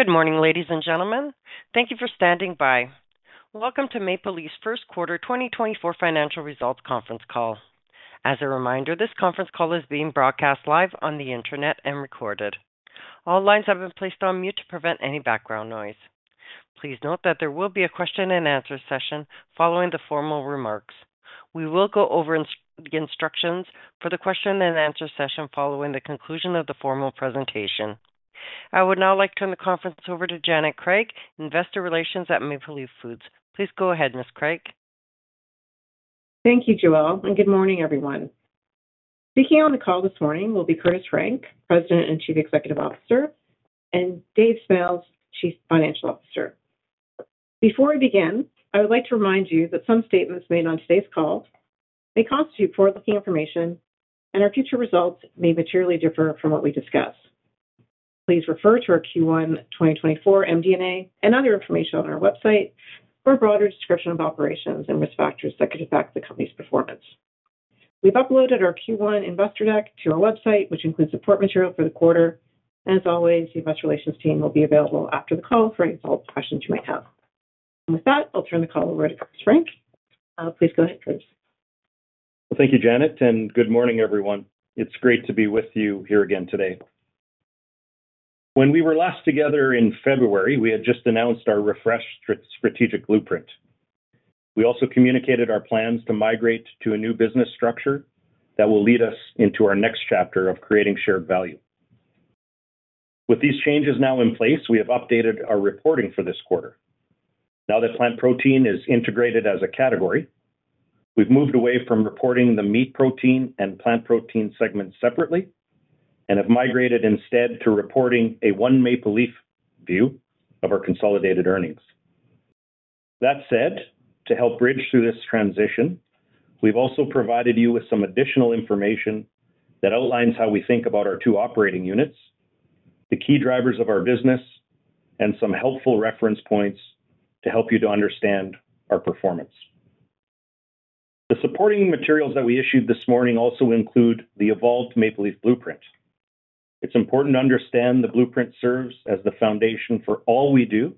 Good morning, ladies and gentlemen. Thank you for standing by. Welcome to Maple Leaf's first quarter, 2024 financial results conference call. As a reminder, this conference call is being broadcast live on the internet and recorded. All lines have been placed on mute to prevent any background noise. Please note that there will be a question and answer session following the formal remarks. We will go over the instructions for the question and answer session following the conclusion of the formal presentation. I would now like to turn the conference over to Janet Craig, Investor Relations at Maple Leaf Foods. Please go ahead, Ms. Craig. Thank you, Joelle, and good morning, everyone. Speaking on the call this morning will be Curtis Frank, President and Chief Executive Officer, and David Smales, Chief Financial Officer. Before we begin, I would like to remind you that some statements made on today's call may constitute forward-looking information, and our future results may materially differ from what we discuss. Please refer to our Q1 2024 MD&A and other information on our website for a broader description of operations and risk factors that could affect the company's performance. We've uploaded our Q1 investor deck to our website, which includes support material for the quarter, and as always, the investor relations team will be available after the call for any follow-up questions you might have. With that, I'll turn the call over to Curtis Frank. Please go ahead, Curtis. Well, thank you, Janet, and good morning, everyone. It's great to be with you here again today. When we were last together in February, we had just announced our refreshed strategic blueprint. We also communicated our plans to migrate to a new business structure that will lead us into our next chapter of creating shared value. With these changes now in place, we have updated our reporting for this quarter. Now that Plant Protein is integrated as a category, we've moved away from reporting the Meat Protein and Plant Protein segment separately and have migrated instead to reporting a one Maple Leaf view of our consolidated earnings. That said, to help bridge through this transition, we've also provided you with some additional information that outlines how we think about our two operating units, the key drivers of our business, and some helpful reference points to help you to understand our performance. The supporting materials that we issued this morning also include the evolved Maple Leaf blueprint. It's important to understand the blueprint serves as the foundation for all we do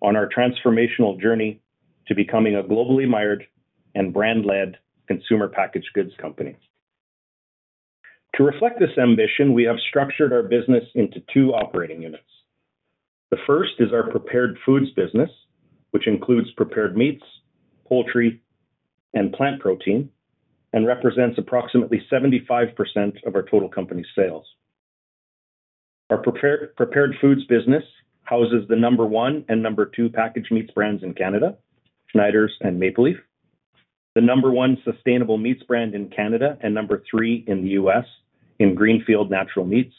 on our transformational journey to becoming a globally admired and brand-led consumer packaged goods company. To reflect this ambition, we have structured our business into two operating units. The first is our prepared foods business, which includes prepared meats, poultry, and Plant Protein, and represents approximately 75% of our total company sales. Our prepared foods business houses the number one and number two packaged meats brands in Canada, Schneiders and Maple Leaf, the number one Sustainable Meats brand in Canada, and number three in the U.S. in Greenfield Natural Meats,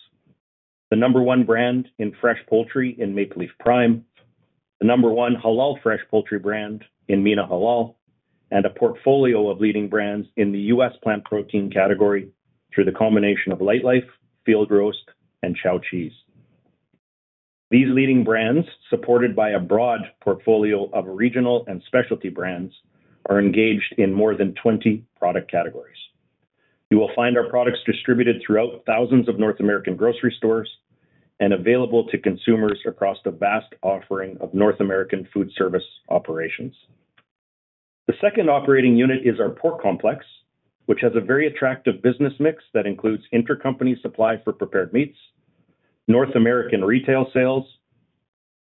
the number one brand in fresh poultry in Maple Leaf Prime, the number one halal fresh poultry brand in Mina Halal, and a portfolio of leading brands in the U.S. Plant Protein category through the combination of Lightlife, Field Roast, and Chao Cheese. These leading brands, supported by a broad portfolio of regional and specialty brands, are engaged in more than 20 product categories. You will find our products distributed throughout thousands of North American grocery stores and available to consumers across the vast offering of North American foodservice operations. The second operating unit Pork Complex, which has a very attractive business mix that includes intercompany supply for prepared meats, North American retail sales,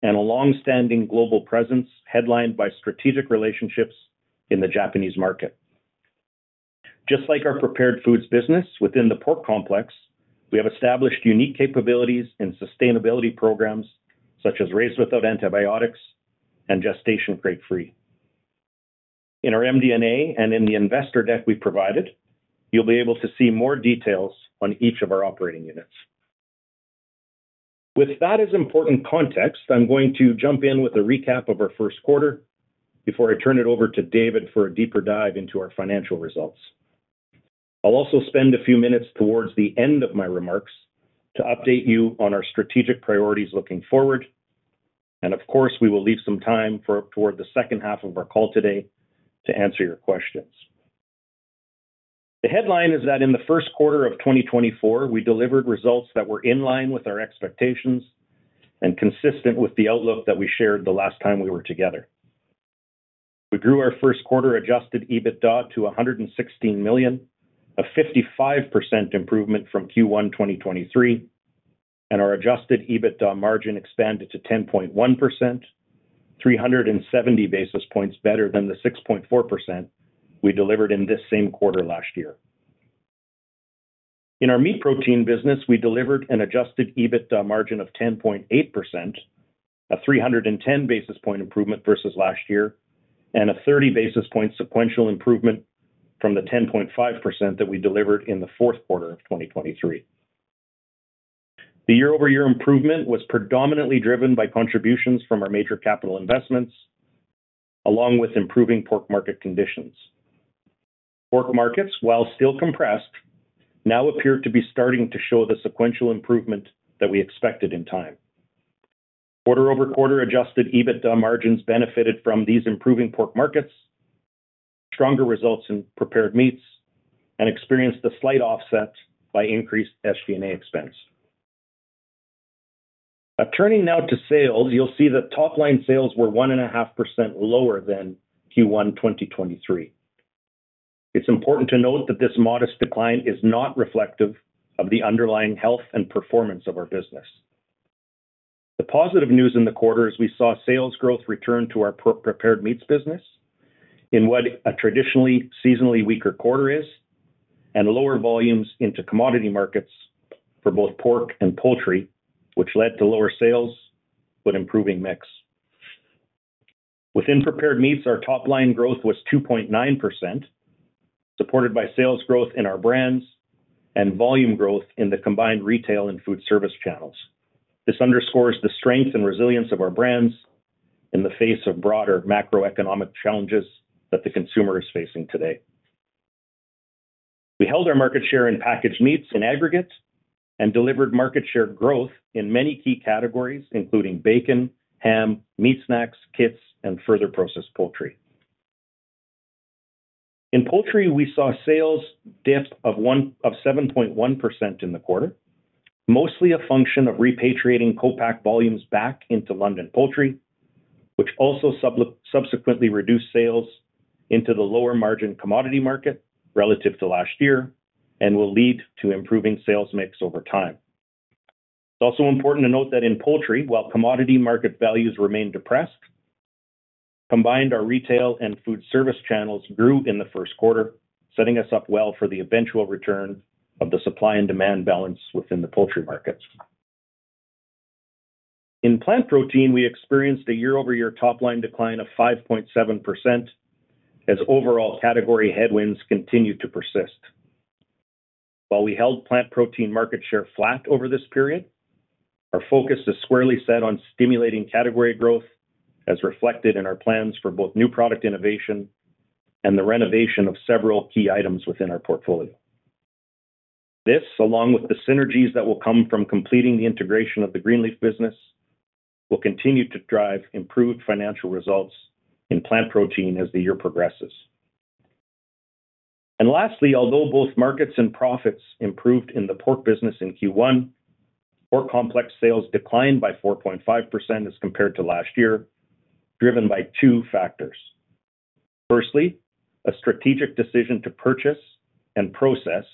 and a long-standing global presence headlined by strategic relationships in the Japanese market. Just like our prepared foods business Pork Complex, we have established unique capabilities and sustainability programs such as Raised Without Antibiotics and Gestation Crate Free. In our MD&A and in the investor deck we provided, you'll be able to see more details on each of our operating units. With that as important context, I'm going to jump in with a recap of our first quarter before I turn it over to David for a deeper dive into our financial results. I'll also spend a few minutes towards the end of my remarks to update you on our strategic priorities looking forward, and of course, we will leave some time for the second half of our call today to answer your questions. The headline is that in the first quarter of 2024, we delivered results that were in line with our expectations and consistent with the outlook that we shared the last time we were together. We grew our first quarter Adjusted EBITDA to 116 million, a 55% improvement from Q1 2023, and our Adjusted EBITDA margin expanded to 10.1%, 370 basis points better than the 6.4% we delivered in this same quarter last year. Meat Protein business, we delivered an adjusted EBITDA margin of 10.8%, a 310 basis point improvement versus last year, and a 30 basis point sequential improvement from the 10.5% that we delivered in the fourth quarter of 2023. The year-over-year improvement was predominantly driven by contributions from our major capital investments, along with improving pork market conditions. Pork markets, while still compressed, now appear to be starting to show the sequential improvement that we expected in time. Quarter-over-quarter adjusted EBITDA margins benefited from these improving pork markets, stronger results in prepared meats and experienced a slight offset by increased SG&A expense. Now turning to sales, you'll see that top-line sales were 1.5% lower than Q1 2023. It's important to note that this modest decline is not reflective of the underlying health and performance of our business. The positive news in the quarter is we saw sales growth return to our prepared meats business in what a traditionally seasonally weaker quarter is, and lower volumes into commodity markets for both pork and poultry, which led to lower sales but improving mix. Within prepared meats, our top line growth was 2.9%, supported by sales growth in our brands and volume growth in the combined retail and foodservice channels. This underscores the strength and resilience of our brands in the face of broader macroeconomic challenges that the consumer is facing today. We held our market share in packaged meats in aggregate and delivered market share growth in many key categories, including bacon, ham, meat snacks, kits, and further processed poultry. In poultry, we saw sales dip of 7.1% in the quarter, mostly a function of repatriating co-pack volumes back into London Poultry, which also subsequently reduced sales into the lower margin commodity market relative to last year and will lead to improving sales mix over time. It's also important to note that in poultry, while commodity market values remain depressed, combined, our retail and foodservice channels grew in the first quarter, setting us up well for the eventual return of the supply and demand balance within the poultry markets. In Plant Protein, we experienced a year-over-year top line decline of 5.7%, as overall category headwinds continued to persist. While we held Plant Protein market share flat over this period, our focus is squarely set on stimulating category growth, as reflected in our plans for both new product innovation and the renovation of several key items within our portfolio. This, along with the synergies that will come from completing the integration of the Greenleaf business, will continue to drive improved financial results in Plant Protein as the year progresses. Lastly, although both markets and profits improved in the pork business Pork Complex sales declined by 4.5% as compared to last year, driven by two factors. Firstly, a strategic decision to purchase and process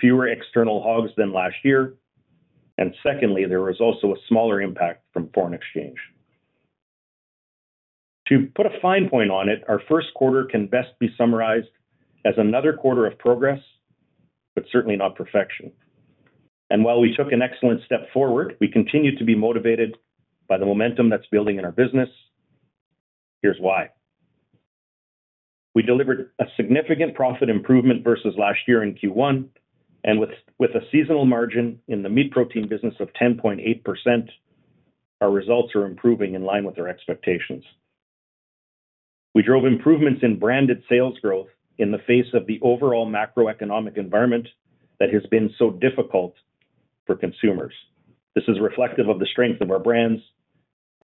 fewer external hogs than last year. Secondly, there was also a smaller impact from foreign exchange. To put a fine point on it, our first quarter can best be summarized as another quarter of progress, but certainly not perfection. While we took an excellent step forward, we continue to be motivated by the momentum that's building in our business. Here's why: We delivered a significant profit improvement versus last year in Q1 and with a seasonal margin Meat Protein business of 10.8%, our results are improving in line with our expectations. We drove improvements in branded sales growth in the face of the overall macroeconomic environment that has been so difficult for consumers. This is reflective of the strength of our brands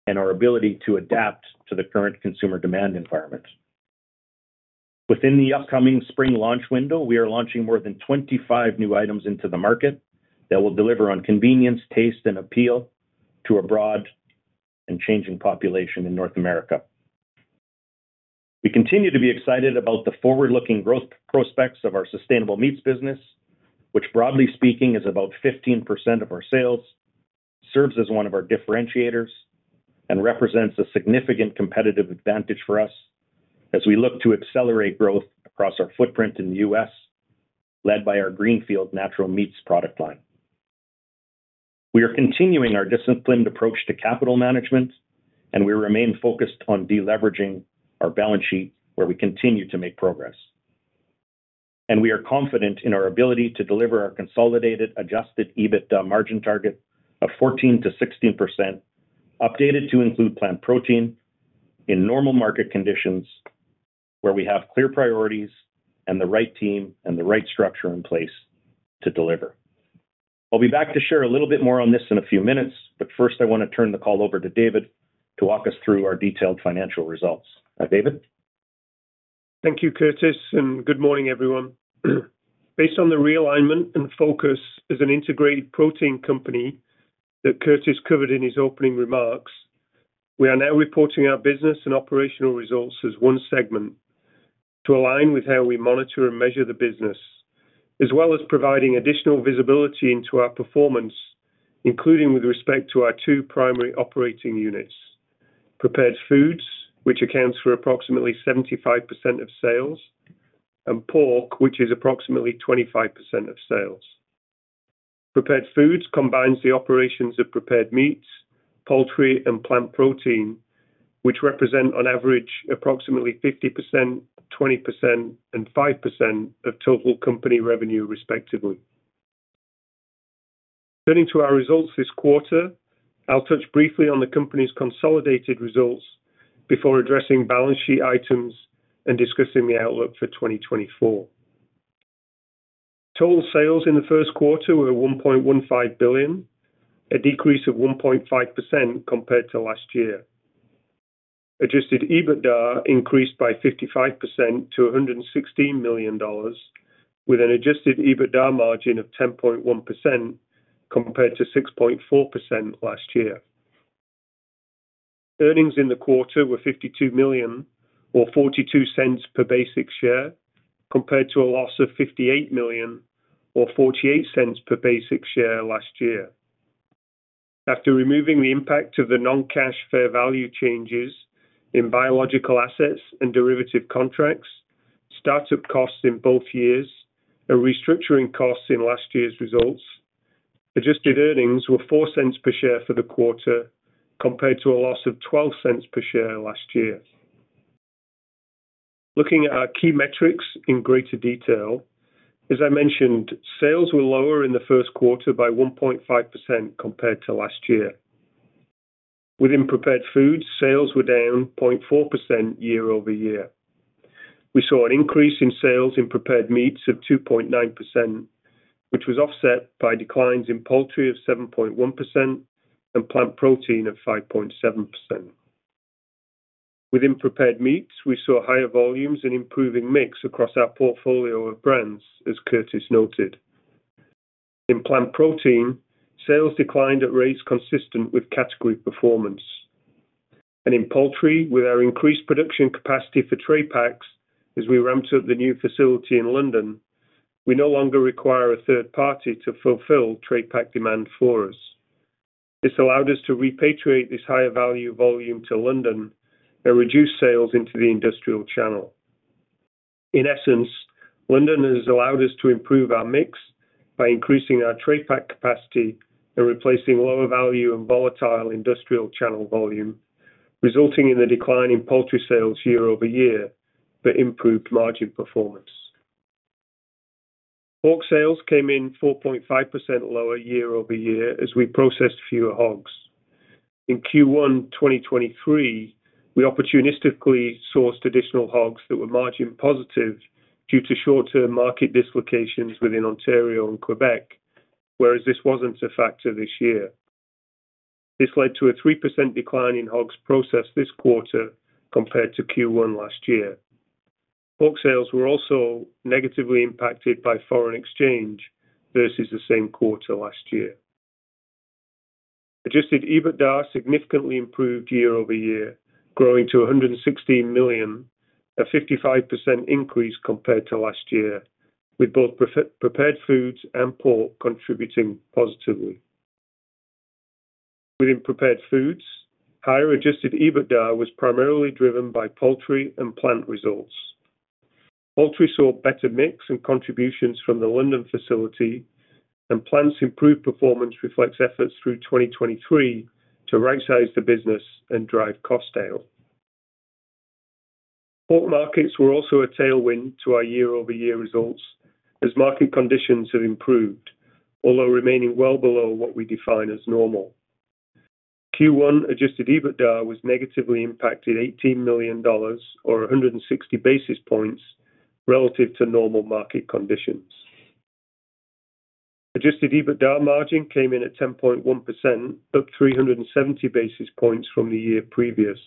and our ability to adapt to the current consumer demand environment. Within the upcoming spring launch window, we are launching more than 25 new items into the market that will deliver on convenience, taste, and appeal to a broad and changing population in North America. We continue to be excited about the forward-looking growth prospects of our Sustainable Meats business, which, broadly speaking, is about 15% of our sales, serves as one of our differentiators, and represents a significant competitive advantage for us as we look to accelerate growth across our footprint in the U.S., led by our Greenfield Natural Meats product line. We are continuing our disciplined approach to capital management, and we remain focused on deleveraging our balance sheet, where we continue to make progress. We are confident in our ability to deliver our consolidated Adjusted EBITDA margin target of 14%-16%, updated to include Plant Protein in normal market conditions, where we have clear priorities and the right team and the right structure in place to deliver. I'll be back to share a little bit more on this in a few minutes, but first, I want to turn the call over to David to walk us through our detailed financial results. David? Thank you, Curtis, and good morning, everyone. Based on the realignment and focus as an integrated protein company that Curtis covered in his opening remarks, we are now reporting our business and operational results as one segment to align with how we monitor and measure the business, as well as providing additional visibility into our performance, including with respect to our two primary operating units: Prepared Foods, which accounts for approximately 75% of sales, and Pork, which is approximately 25% of sales. Prepared Foods combines the operations of prepared meats, poultry, and Plant Protein, which represent on average, approximately 50%, 20%, and 5% of total company revenue, respectively. Turning to our results this quarter, I'll touch briefly on the company's consolidated results before addressing balance sheet items and discussing the outlook for 2024.... Total sales in the first quarter were 1.15 billion, a decrease of 1.5% compared to last year. Adjusted EBITDA increased by 55% to 116 million dollars, with an adjusted EBITDA margin of 10.1% compared to 6.4% last year. Earnings in the quarter were 52 million, or 0.42 per basic share, compared to a loss of 58 million or 0.48 per basic share last year. After removing the impact of the non-cash fair value changes in biological assets and derivative contracts, startup costs in both years, and restructuring costs in last year's results, adjusted earnings were 0.04 per share for the quarter, compared to a loss of 0.12 per share last year. Looking at our key metrics in greater detail, as I mentioned, sales were lower in the first quarter by 1.5% compared to last year. Within Prepared Foods, sales were down 0.4% year-over-year. We saw an increase in sales in prepared meats of 2.9%, which was offset by declines in poultry of 7.1% and Plant Protein of 5.7%. Within prepared meats, we saw higher volumes and improving mix across our portfolio of brands, as Curtis noted. In Plant Protein, sales declined at rates consistent with category performance. In poultry, with our increased production capacity for tray packs, as we ramped up the new facility in London, we no longer require a third party to fulfill tray pack demand for us. This allowed us to repatriate this higher value volume to London and reduce sales into the industrial channel. In essence, London has allowed us to improve our mix by increasing our tray pack capacity and replacing lower value and volatile industrial channel volume, resulting in a decline in poultry sales year-over-year, but improved margin performance. Pork sales came in 4.5% lower year-over-year as we processed fewer hogs. In Q1 2023, we opportunistically sourced additional hogs that were margin positive due to short-term market dislocations within Ontario and Quebec, whereas this wasn't a factor this year. This led to a 3% decline in hogs processed this quarter compared to Q1 last year. Pork sales were also negatively impacted by foreign exchange versus the same quarter last year. Adjusted EBITDA significantly improved year-over-year, growing to 116 million, a 55% increase compared to last year, with both prepared foods and pork contributing positively. Within prepared foods, higher adjusted EBITDA was primarily driven by poultry and plant results. Poultry saw better mix and contributions from the London facility, and plants improved performance reflects efforts through 2023 to rightsize the business and drive cost down. Pork markets were also a tailwind to our year-over-year results as market conditions have improved, although remaining well below what we define as normal. Q1 adjusted EBITDA was negatively impacted 18 million dollars or 160 basis points relative to normal market conditions. Adjusted EBITDA margin came in at 10.1%, up 370 basis points from the year previous,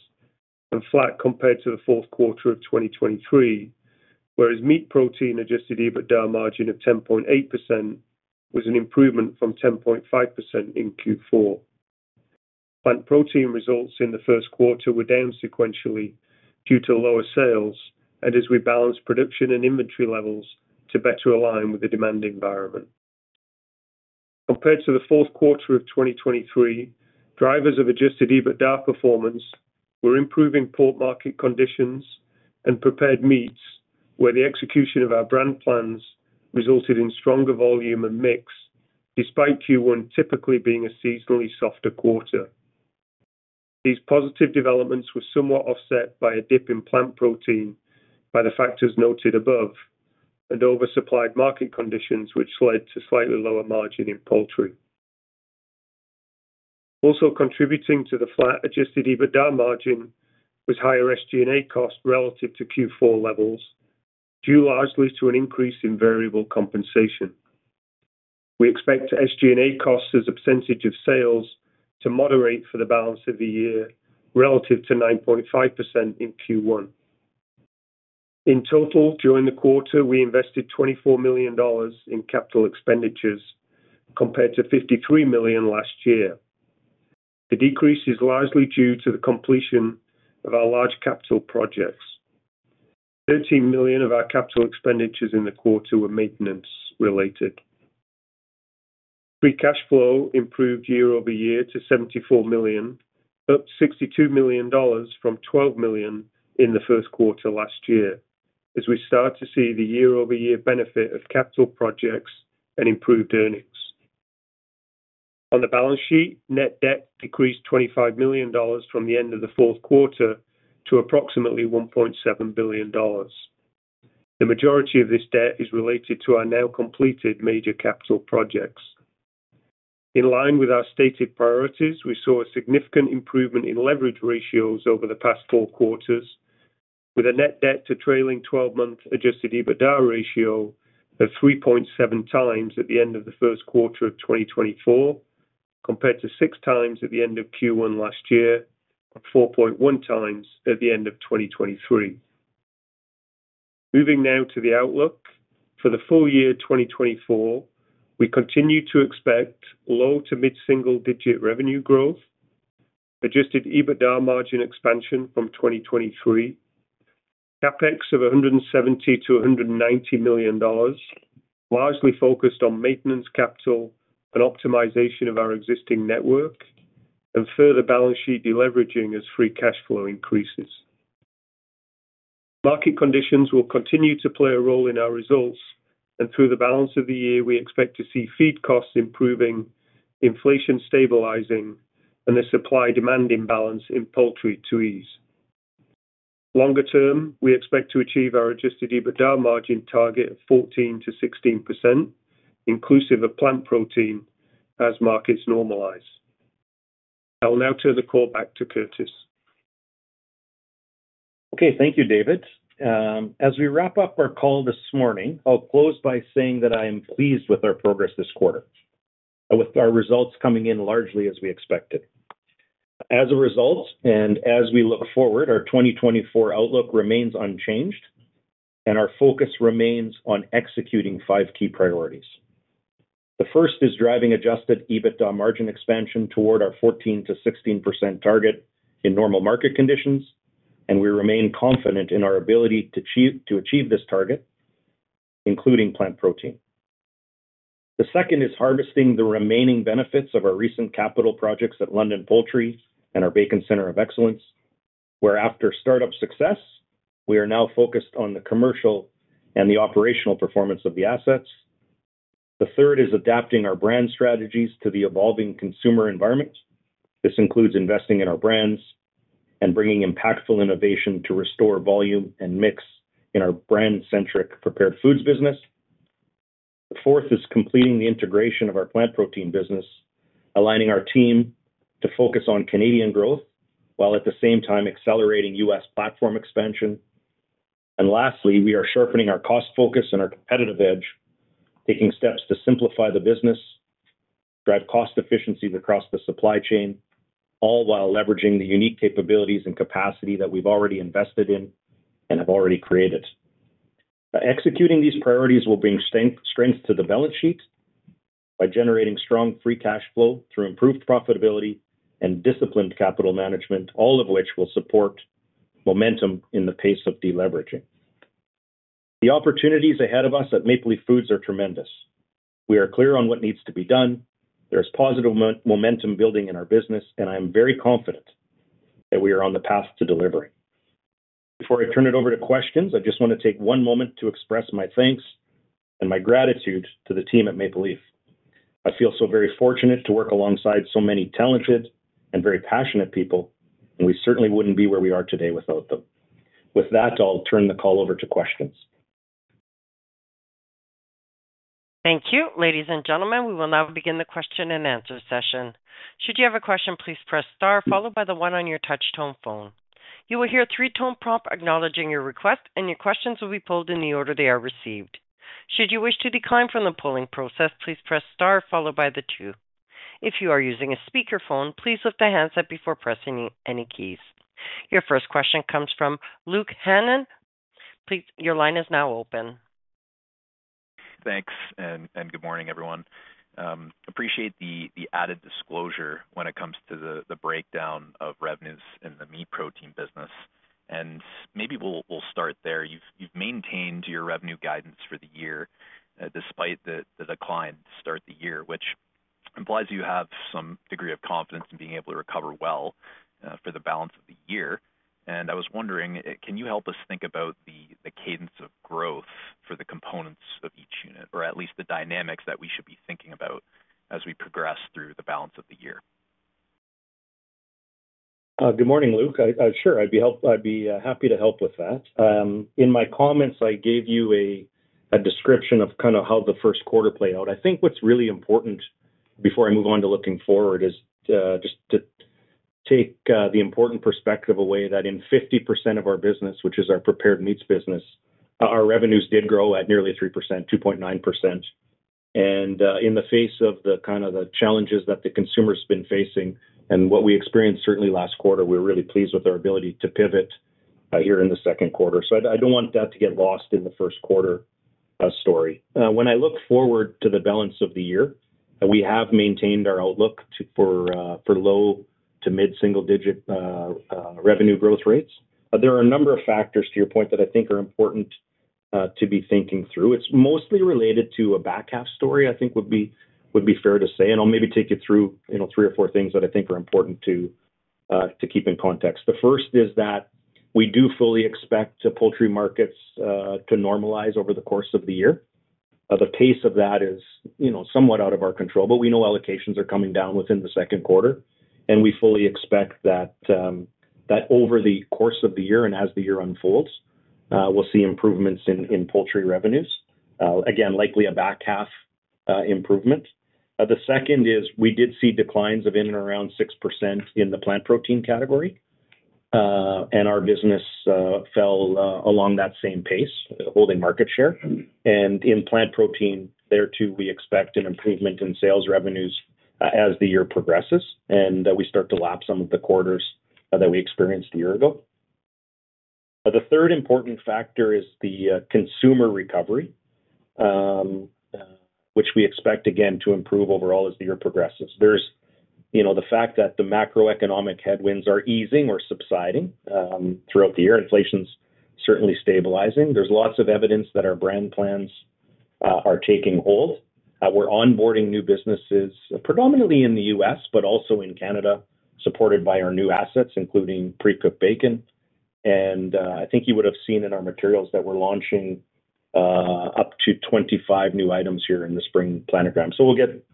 and flat compared to the fourth quarter of 2023. Meat Protein adjusted ebitda margin of 10.8% was an improvement from 10.5% in Q4. Plant Protein results in the first quarter were down sequentially due to lower sales, and as we balanced production and inventory levels to better align with the demand environment. Compared to the fourth quarter of 2023, drivers of Adjusted EBITDA performance were improving pork market conditions and prepared meats, where the execution of our brand plans resulted in stronger volume and mix, despite Q1 typically being a seasonally softer quarter. These positive developments were somewhat offset by a dip in Plant Protein by the factors noted above, and oversupplied market conditions, which led to slightly lower margin in poultry. Also contributing to the flat Adjusted EBITDA margin was higher SG&A costs relative to Q4 levels, due largely to an increase in variable compensation. We expect SG&A costs as a percentage of sales to moderate for the balance of the year, relative to 9.5% in Q1. In total, during the quarter, we invested 24 million dollars in capital expenditures, compared to 53 million last year. The decrease is largely due to the completion of our large capital projects. 13 million of our capital expenditures in the quarter were maintenance related. Free cash flow improved year-over-year to 74 million, up 62 million dollars from 12 million in the first quarter last year, as we start to see the year-over-year benefit of capital projects and improved earnings. On the balance sheet, net debt decreased 25 million dollars from the end of the fourth quarter to approximately 1.7 billion dollars. The majority of this debt is related to our now completed major capital projects. In line with our stated priorities, we saw a significant improvement in leverage ratios over the past four quarters, with a net debt to trailing twelve-month Adjusted EBITDA ratio of 3.7x at the end of the first quarter of 2024, compared to 6x at the end of Q1 last year, and 4.1x at the end of 2023. Moving now to the outlook. For the full year 2024, we continue to expect low- to mid-single-digit revenue growth, Adjusted EBITDA margin expansion from 2023, CapEx of 170 million-190 million dollars, largely focused on maintenance, capital, and optimization of our existing network, and further balance sheet deleveraging as free cash flow increases. Market conditions will continue to play a role in our results, and through the balance of the year, we expect to see feed costs improving, inflation stabilizing, and the supply-demand imbalance in poultry to ease. Longer term, we expect to achieve our Adjusted EBITDA margin target of 14%-16%, inclusive of Plant Protein as markets normalize. I will now turn the call back to Curtis. Okay, thank you, David. As we wrap up our call this morning, I'll close by saying that I am pleased with our progress this quarter, and with our results coming in largely as we expected. As a result, and as we look forward, our 2024 outlook remains unchanged, and our focus remains on executing five key priorities. The first is driving adjusted EBITDA margin expansion toward our 14%-16% target in normal market conditions, and we remain confident in our ability to achieve this target, including Plant Protein. The second is harvesting the remaining benefits of our recent capital projects at London Poultry and our Bacon Centre of Excellence, where after startup success, we are now focused on the commercial and the operational performance of the assets. The third is adapting our brand strategies to the evolving consumer environment. This includes investing in our brands and bringing impactful innovation to restore volume and mix in our brand-centric prepared foods business. The fourth is completing the integration of our Plant Protein business, aligning our team to focus on Canadian growth, while at the same time accelerating U.S. platform expansion. And lastly, we are sharpening our cost focus and our competitive edge, taking steps to simplify the business, drive cost efficiencies across the supply chain, all while leveraging the unique capabilities and capacity that we've already invested in and have already created. Executing these priorities will bring strength, strength to the balance sheet by generating strong free cash flow through improved profitability and disciplined capital management, all of which will support momentum in the pace of deleveraging. The opportunities ahead of us at Maple Leaf Foods are tremendous. We are clear on what needs to be done. There is positive momentum building in our business, and I am very confident that we are on the path to delivering. Before I turn it over to questions, I just want to take one moment to express my thanks and my gratitude to the team at Maple Leaf. I feel so very fortunate to work alongside so many talented and very passionate people, and we certainly wouldn't be where we are today without them. With that, I'll turn the call over to questions. Thank you. Ladies and gentlemen, we will now begin the question-and-answer session. Should you have a question, please press star followed by the one on your touch tone phone. You will hear three-tone prompt acknowledging your request, and your questions will be pulled in the order they are received. Should you wish to decline from the polling process, please press star followed by the two. If you are using a speakerphone, please lift the handset before pressing any keys. Your first question comes from Luke Hannan. Please, your line is now open. Thanks, and, and good morning, everyone. Appreciate the added disclosure when it comes to the breakdown of revenues Meat Protein business, and maybe we'll start there. You've maintained your revenue guidance for the year, despite the decline to start the year, which implies you have some degree of confidence in being able to recover well, for the balance of the year. And I was wondering, can you help us think about the cadence of growth for the components of each unit, or at least the dynamics that we should be thinking about as we progress through the balance of the year? Good morning, Luke. Sure, I'd be happy to help with that. In my comments, I gave you a description of kind of how the first quarter played out. I think what's really important before I move on to looking forward is just to take the important perspective away, that in 50% of our business, which is our prepared meats business, our revenues did grow at nearly 3%, 2.9%. And in the face of the kind of the challenges that the consumer's been facing and what we experienced certainly last quarter, we're really pleased with our ability to pivot here in the second quarter. So I don't want that to get lost in the first quarter story. When I look forward to the balance of the year, we have maintained our outlook to, for, for low to mid-single digit revenue growth rates. But there are a number of factors, to your point, that I think are important to be thinking through. It's mostly related to a back half story, I think would be, would be fair to say, and I'll maybe take you through, you know, three or four things that I think are important to keep in context. The first is that we do fully expect the poultry markets to normalize over the course of the year. At a pace of that is, you know, somewhat out of our control, but we know allocations are coming down within the second quarter, and we fully expect that over the course of the year and as the year unfolds, we'll see improvements in poultry revenues. Again, likely a back half improvement. The second is we did see declines of in and around 6% in the Plant Protein category, and our business fell along that same pace, holding market share. And in Plant Protein, there, too, we expect an improvement in sales revenues as the year progresses, and we start to lap some of the quarters that we experienced a year ago. The third important factor is the consumer recovery, which we expect again to improve overall as the year progresses. There's, you know, the fact that the macroeconomic headwinds are easing or subsiding throughout the year. Inflation's certainly stabilizing. There's lots of evidence that our brand plans are taking hold. We're onboarding new businesses, predominantly in the U.S., but also in Canada, supported by our new assets, including pre-cooked bacon. I think you would have seen in our materials that we're launching up to 25 new items here in the spring planogram. So we'll get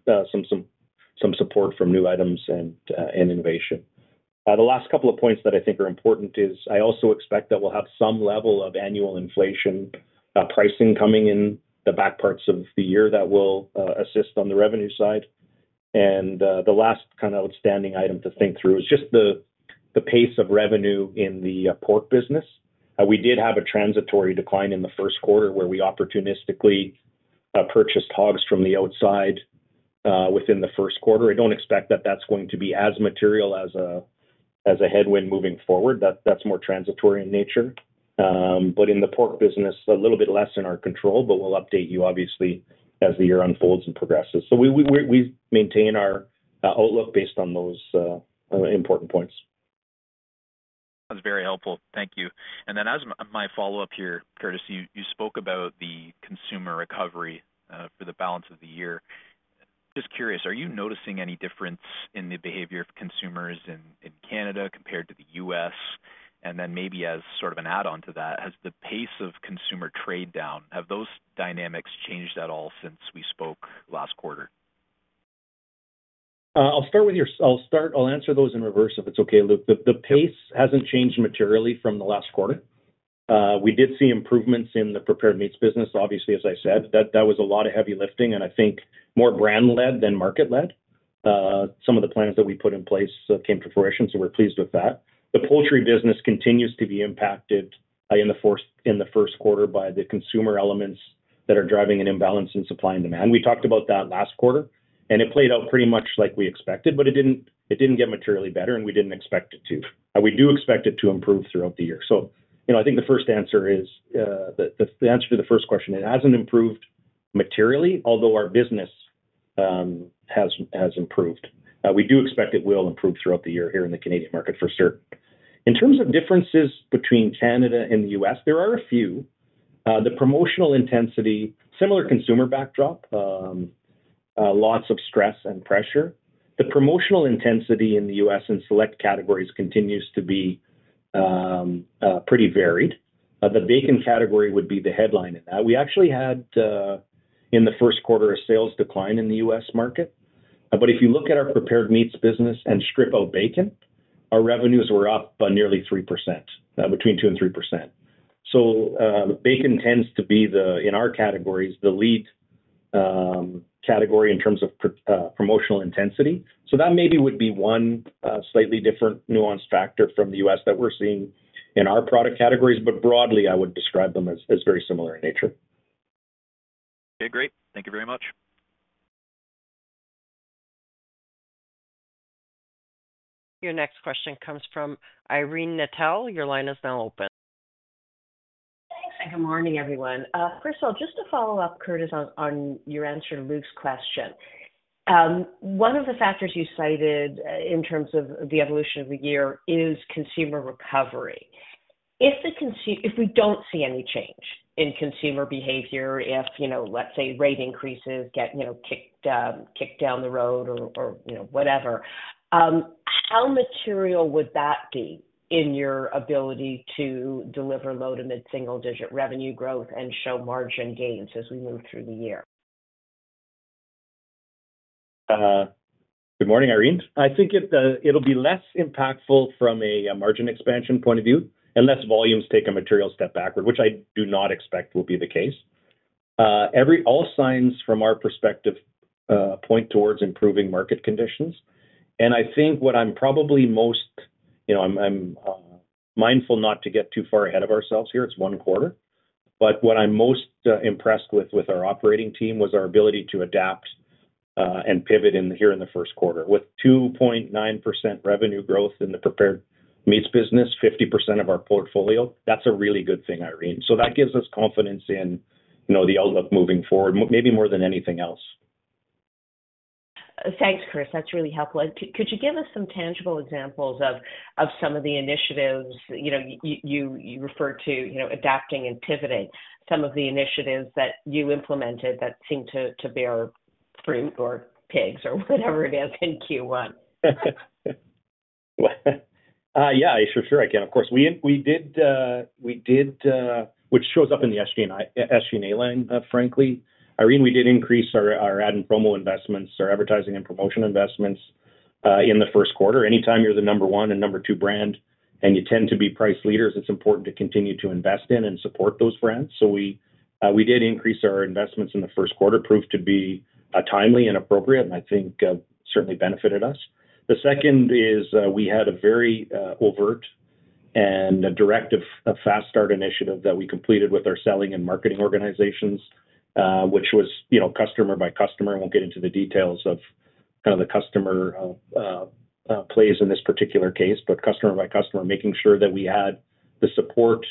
some support from new items and innovation. The last couple of points that I think are important is I also expect that we'll have some level of annual inflation pricing coming in the back parts of the year that will assist on the revenue side. The last kind of outstanding item to think through is just the pace of revenue in the pork business. We did have a transitory decline in the first quarter, where we opportunistically purchased hogs from the outside within the first quarter. I don't expect that that's going to be as material as a headwind moving forward. That's more transitory in nature. But in the pork business, a little bit less in our control, but we'll update you, obviously, as the year unfolds and progresses. So we maintain our outlook based on those important points. That's very helpful. Thank you. And then as my follow-up here, Curtis, you spoke about the consumer recovery for the balance of the year. Just curious, are you noticing any difference in the behavior of consumers in Canada compared to the U.S.? And then maybe as sort of an add-on to that, has the pace of consumer trade down, have those dynamics changed at all since we spoke last quarter? I'll answer those in reverse, if it's okay, Luke. The pace hasn't changed materially from the last quarter. We did see improvements in the prepared meats business. Obviously, as I said, that was a lot of heavy lifting and I think more brand-led than market-led. Some of the plans that we put in place came to fruition, so we're pleased with that. The poultry business continues to be impacted in the first quarter by the consumer elements that are driving an imbalance in supply and demand. We talked about that last quarter, and it played out pretty much like we expected, but it didn't get materially better, and we didn't expect it to. And we do expect it to improve throughout the year. So, you know, I think the first answer is, the answer to the first question, it hasn't improved materially, although our business has improved. We do expect it will improve throughout the year here in the Canadian market, for sure. In terms of differences between Canada and the U.S., there are a few. The promotional intensity, similar consumer backdrop, lots of stress and pressure. The promotional intensity in the U.S. and select categories continues to be pretty varied. The bacon category would be the headline in that. We actually had, in the first quarter, a sales decline in the U.S. market. But if you look at our prepared meats business and strip out bacon, our revenues were up by nearly 3%, between 2% and 3%. Bacon tends to be the, in our categories, the lead category in terms of promotional intensity. So that maybe would be one, slightly different nuance factor from the U.S. that we're seeing in our product categories, but broadly, I would describe them as very similar in nature. Okay, great. Thank you very much. Your next question comes from Irene Nattel. Your line is now open. Thanks, and good morning, everyone. First of all, just to follow up, Curtis, on your answer to Luke's question. One of the factors you cited in terms of the evolution of the year is consumer recovery. If we don't see any change in consumer behavior, if, you know, let's say, rate increases get, you know, kicked down the road or, you know, whatever, how material would that be in your ability to deliver low- to mid-single-digit revenue growth and show margin gains as we move through the year? Good morning, Irene. I think it'll be less impactful from a margin expansion point of view, unless volumes take a material step backward, which I do not expect will be the case. All signs from our perspective point towards improving market conditions. I think what I'm probably most you know, I'm mindful not to get too far ahead of ourselves here. It's one quarter. But what I'm most impressed with our operating team was our ability to adapt and pivot here in the first quarter. With 2.9% revenue growth in the prepared meats business, 50% of our portfolio, that's a really good thing, Irene. So that gives us confidence in you know, the outlook moving forward, maybe more than anything else. Thanks, Curtis. That's really helpful. And could you give us some tangible examples of some of the initiatives, you know, you referred to, you know, adapting and pivoting, some of the initiatives that you implemented that seemed to bear fruit or pigs or whatever it is in Q1? Well, yeah, sure, sure I can. Of course. We did, which shows up in the SG&A line, frankly. Irene, we did increase our ad and promo investments, our advertising and promotion investments in the first quarter. Anytime you're the number one and number two brand, and you tend to be price leaders, it's important to continue to invest in and support those brands. So we did increase our investments in the first quarter, proved to be timely and appropriate, and I think certainly benefited us. The second is, we had a very overt and a directive, a fast start initiative that we completed with our selling and marketing organizations, which was, you know, customer by customer. I won't get into the details of kind of the customer plays in this particular case, but customer by customer, making sure that we had the support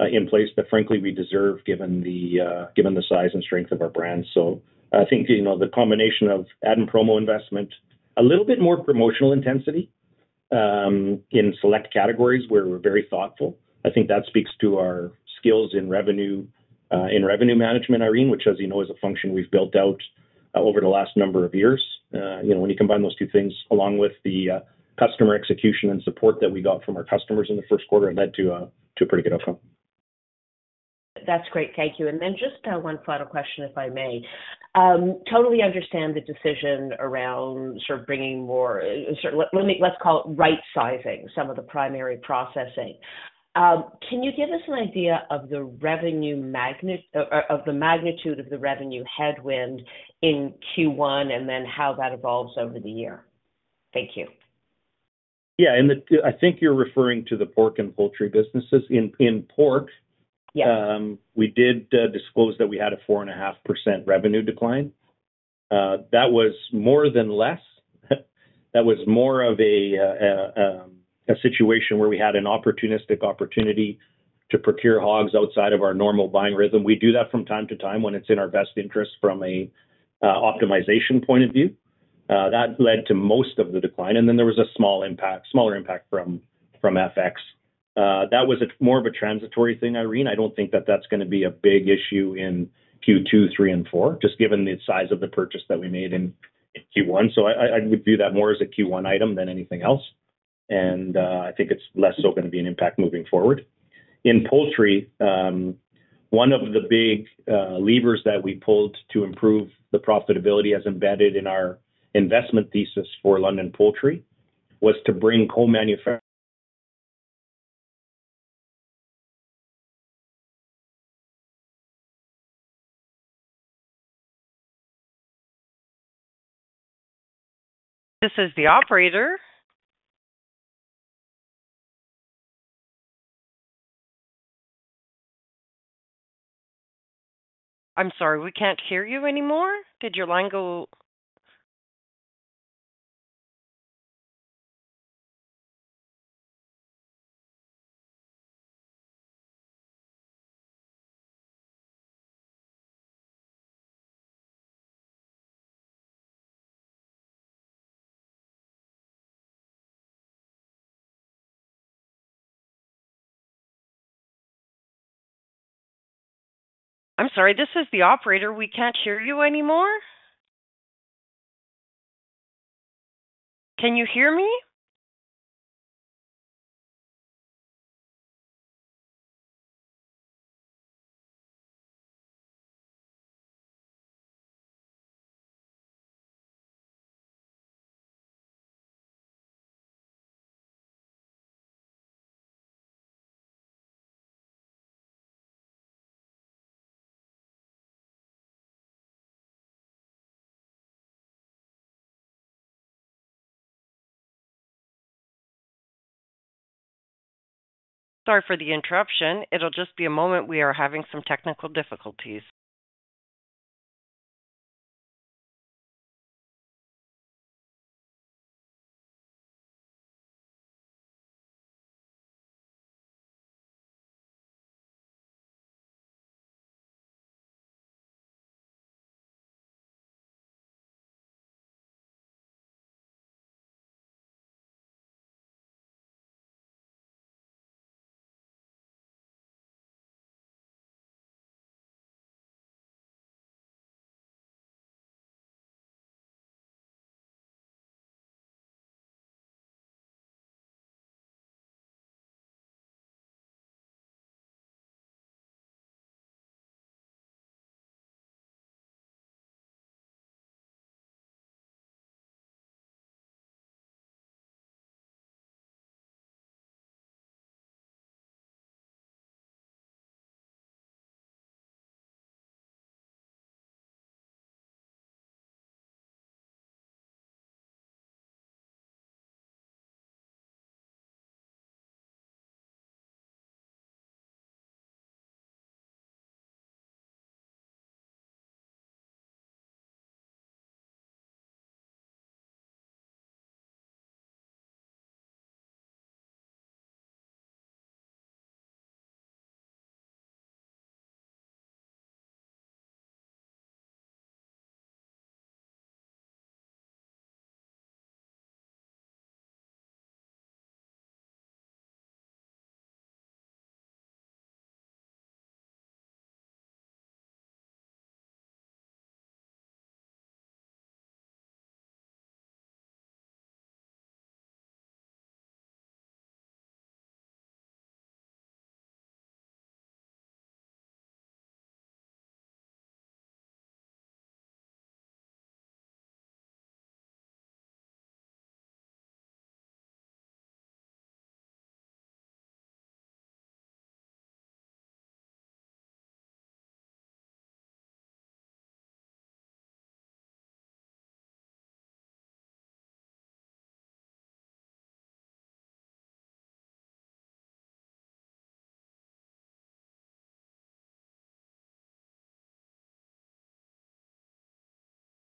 in place that frankly, we deserve, given the given the size and strength of our brand. So I think, you know, the combination of ad and promo investment, a little bit more promotional intensity in select categories where we're very thoughtful. I think that speaks to our skills in revenue in revenue management, Irene, which, as you know, is a function we've built out over the last number of years. You know, when you combine those two things along with the customer execution and support that we got from our customers in the first quarter, it led to a to a pretty good outcome. That's great. Thank you. And then just, one final question, if I may. Totally understand the decision around sort of bringing more, sort of, let me, let's call it right-sizing some of the primary processing. Can you give us an idea of the revenue magnitude, or, or of the magnitude of the revenue headwind in Q1 and then how that evolves over the year? Thank you. Yeah, and I think you're referring to the pork and poultry businesses. In pork- Yeah. We did disclose that we had a 4.5% revenue decline. That was more or less. That was more of a situation where we had an opportunistic opportunity to procure hogs outside of our normal buying rhythm. We do that from time to time when it's in our best interest from a optimization point of view. That led to most of the decline, and then there was a small impact, smaller impact from FX. That was more of a transitory thing, Irene. I don't think that that's gonna be a big issue in Q2, Q3, and Q4, just given the size of the purchase that we made in Q1. So I would view that more as a Q1 item than anything else, and I think it's less so gonna be an impact moving forward. In poultry, one of the big levers that we pulled to improve the profitability as embedded in our investment thesis for London Poultry was to bring co-manufact. This is the operator. I'm sorry, we can't hear you anymore. Did your line go... I'm sorry, this is the operator. We can't hear you anymore. Can you hear me? Sorry for the interruption. It'll just be a moment. We are having some technical difficulties.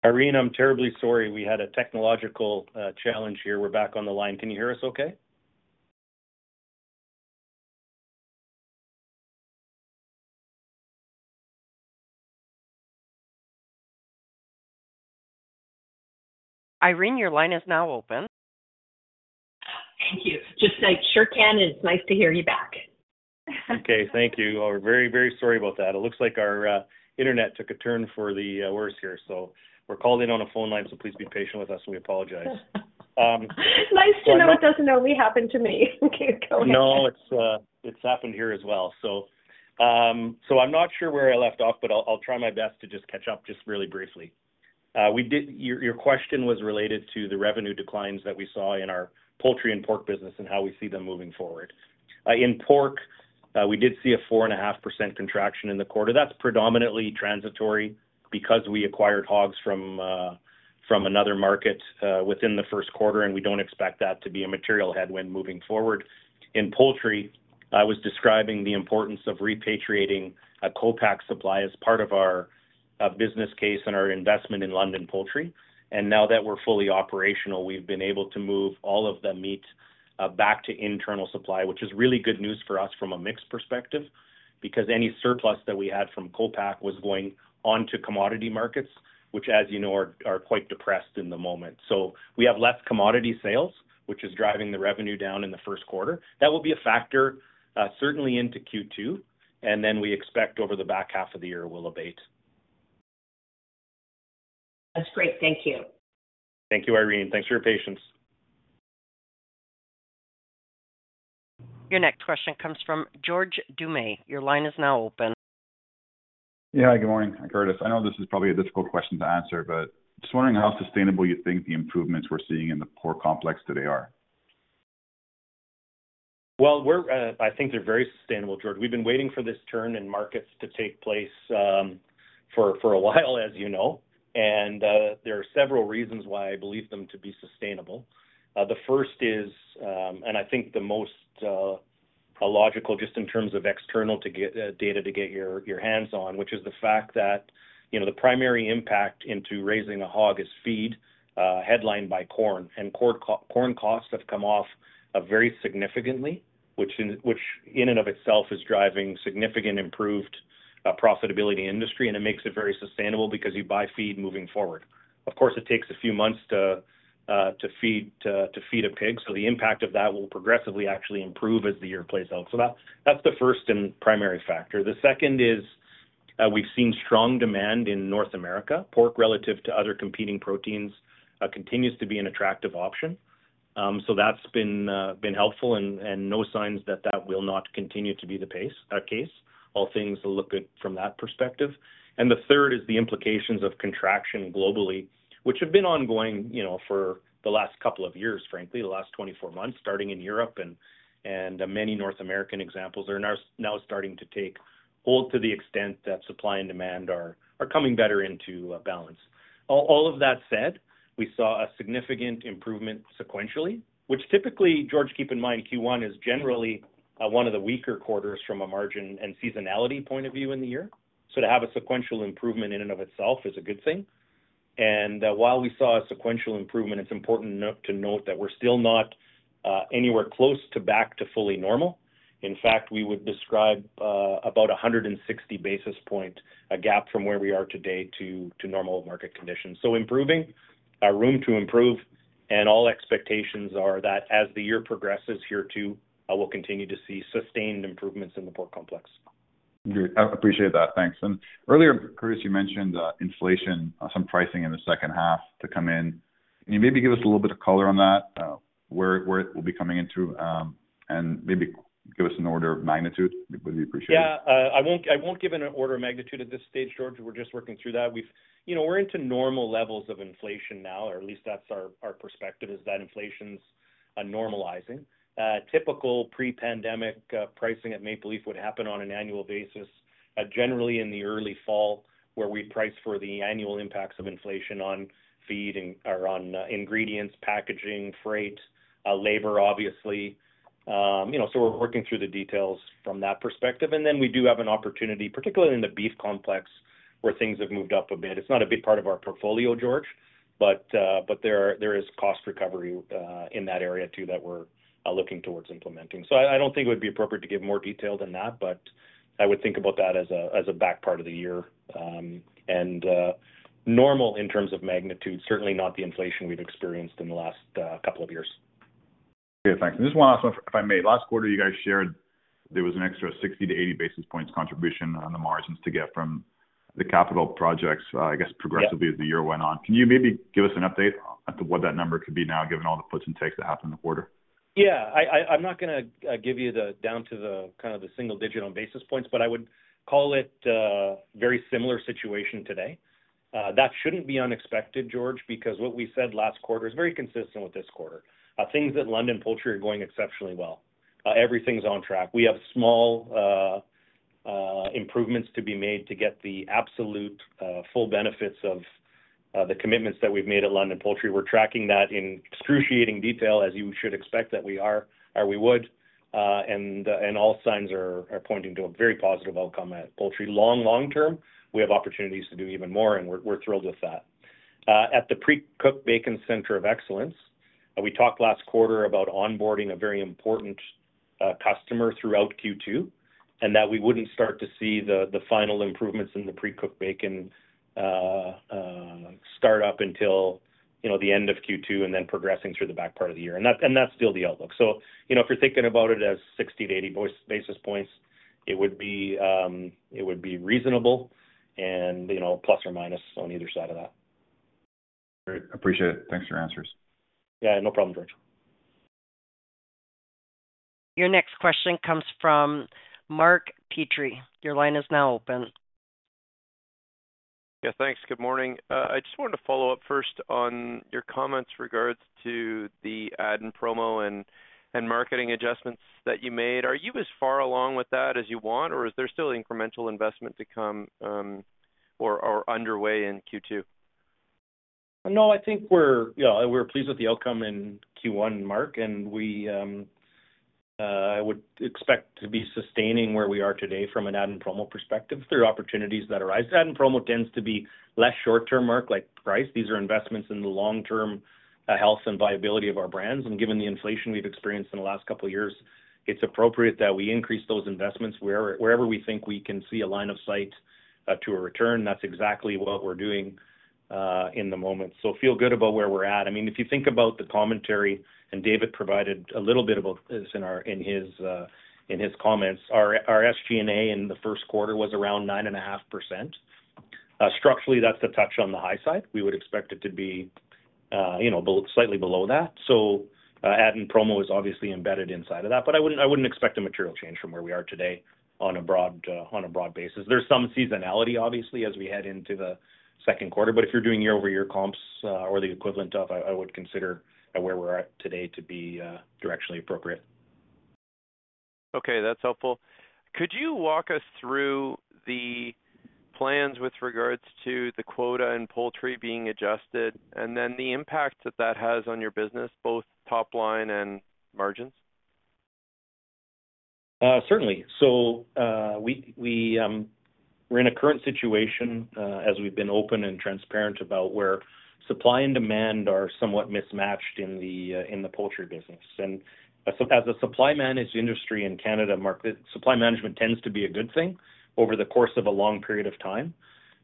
Irene, I'm terribly sorry. We had a technological challenge here. We're back on the line. Can you hear us okay? Irene, your line is now open. Thank you. Just, I sure can, and it's nice to hear you back. Okay. Thank you. We're very, very sorry about that. It looks like our internet took a turn for the worse here. We're calling on a phone line, so please be patient with us, and we apologize. Nice to know it doesn't only happen to me. Okay, go ahead. No, it's, it's happened here as well. So, so I'm not sure where I left off, but I'll, I'll try my best to just catch up just really briefly. Your, your question was related to the revenue declines that we saw in our poultry and pork business and how we see them moving forward. In pork, we did see a 4.5% contraction in the quarter. That's predominantly transitory because we acquired hogs from, from another market, within the first quarter, and we don't expect that to be a material headwind moving forward. In poultry, I was describing the importance of repatriating a co-pack supply as part of our business case and our investment in London Poultry. And now that we're fully operational, we've been able to move all of the meat back to internal supply, which is really good news for us from a mix perspective, because any surplus that we had from co-pack was going on to commodity markets, which, as you know, are quite depressed in the moment. So we have less commodity sales, which is driving the revenue down in the first quarter. That will be a factor, certainly into Q2, and then we expect over the back half of the year will abate. That's great. Thank you. Thank you, Irene. Thanks for your patience. Your next question comes from George Doumet. Your line is now open. Yeah, good morning, Curtis. I know this is probably a difficult question to answer, but just wondering how sustainable you think the improvements we're seeing Pork Complex today are? Well, we're... I think they're very sustainable, George. We've been waiting for this turn in markets to take place, for a while, as you know, and there are several reasons why I believe them to be sustainable. The first is, and I think the most logical, just in terms of external data to get your hands on, which is the fact that, you know, the primary impact into raising a hog is feed, headlined by corn. And corn costs have come off very significantly, which in and of itself is driving significant improved profitability industry, and it makes it very sustainable because you buy feed moving forward. Of course, it takes a few months to feed a pig, so the impact of that will progressively actually improve as the year plays out. So that's the first and primary factor. The second is, we've seen strong demand in North America. Pork, relative to other competing proteins, continues to be an attractive option. So that's been helpful and no signs that that will not continue to be the pace case. All things look good from that perspective. And the third is the implications of contraction globally, which have been ongoing, you know, for the last couple of years, frankly, the last 24 months, starting in Europe and many North American examples are now starting to take hold to the extent that supply and demand are coming better into balance. All, all of that said, we saw a significant improvement sequentially, which typically, George, keep in mind, Q1 is generally one of the weaker quarters from a margin and seasonality point of view in the year. So to have a sequential improvement in and of itself is a good thing. And while we saw a sequential improvement, it's important not to note that we're still not anywhere close to back to fully normal. In fact, we would describe about 160 basis points gap from where we are today to normal market conditions. So improving, room to improve, and all expectations are that as the year progresses here, too, we'll continue to see sustained improvements in the Pork Complex. Great. I appreciate that. Thanks. And earlier, Curtis, you mentioned inflation, some pricing in the second half to come in. Can you maybe give us a little bit of color on that? Where, where it will be coming into, and maybe give us an order of magnitude, it would be appreciated. Yeah. I won't, I won't give an order of magnitude at this stage, George. We're just working through that. We've. You know, we're into normal levels of inflation now, or at least that's our, our perspective, is that inflation's normalizing. Typical pre-pandemic pricing at Maple Leaf would happen on an annual basis, generally in the early fall, where we price for the annual impacts of inflation on feed and, or on, ingredients, packaging, freight, labor, obviously. You know, so we're working through the details from that perspective. And then we do have an opportunity, particularly in the beef complex, where things have moved up a bit. It's not a big part of our portfolio, George, but, but there, there is cost recovery in that area, too, that we're looking towards implementing. So I, I don't think it would be appropriate to give more detail than that, but I would think about that as a back part of the year, and normal in terms of magnitude, certainly not the inflation we've experienced in the last couple of years. Okay, thanks. Just one last one, if I may. Last quarter, you guys shared there was an extra 60-80 basis points contribution on the margins to get from the capital projects, I guess progressively. Yeah As the year went on. Can you maybe give us an update as to what that number could be now, given all the puts and takes that happened in the quarter? Yeah, I'm not gonna give you the down to the kind of the single digital basis points, but I would call it a very similar situation today. That shouldn't be unexpected, George, because what we said last quarter is very consistent with this quarter. Things at London Poultry are going exceptionally well. Everything's on track. We have small improvements to be made to get the absolute full benefits of the commitments that we've made at London Poultry. We're tracking that in excruciating detail, as you should expect that we are, or we would. And all signs are pointing to a very positive outcome at Poultry. Long term, we have opportunities to do even more, and we're thrilled with that. At the Pre-Cooked Bacon Centre of Excellence, we talked last quarter about onboarding a very important customer throughout Q2, and that we wouldn't start to see the final improvements in the pre-cooked bacon start up until, you know, the end of Q2 and then progressing through the back part of the year. And that's still the outlook. So, you know, if you're thinking about it as 60-80 basis points, it would be reasonable and, you know, plus or minus on either side of that. Great. Appreciate it. Thanks for your answers. Yeah, no problem, George. Your next question comes from Mark Petrie. Your line is now open. Yeah, thanks. Good morning. I just wanted to follow up first on your comments regards to the ad and promo and, and marketing adjustments that you made. Are you as far along with that as you want, or is there still incremental investment to come, or, or underway in Q2? No, I think we're, you know, we're pleased with the outcome in Q1, Mark, and I would expect to be sustaining where we are today from an ad and promo perspective through opportunities that arise. Ad and promo tends to be less short term, Mark, like price. These are investments in the long-term health and viability of our brands, and given the inflation we've experienced in the last couple of years, it's appropriate that we increase those investments wherever we think we can see a line of sight to a return. That's exactly what we're doing in the moment. So, feel good about where we're at. I mean, if you think about the commentary, and David provided a little bit about this in his comments, our SG&A in the first quarter was around 9.5%. Structurally, that's a touch on the high side. We would expect it to be, you know, slightly below that. So, ad and promo is obviously embedded inside of that, but I wouldn't expect a material change from where we are today on a broad basis. There's some seasonality, obviously, as we head into the second quarter, but if you're doing year-over-year comps, or the equivalent of, I would consider where we're at today to be directionally appropriate. Okay, that's helpful. Could you walk us through the plans with regards to the quota and poultry being adjusted, and then the impact that that has on your business, both top line and margins? Certainly. So, we're in a current situation, as we've been open and transparent about where supply and demand are somewhat mismatched in the poultry business. And as a supply managed industry in Canada, supply management tends to be a good thing over the course of a long period of time,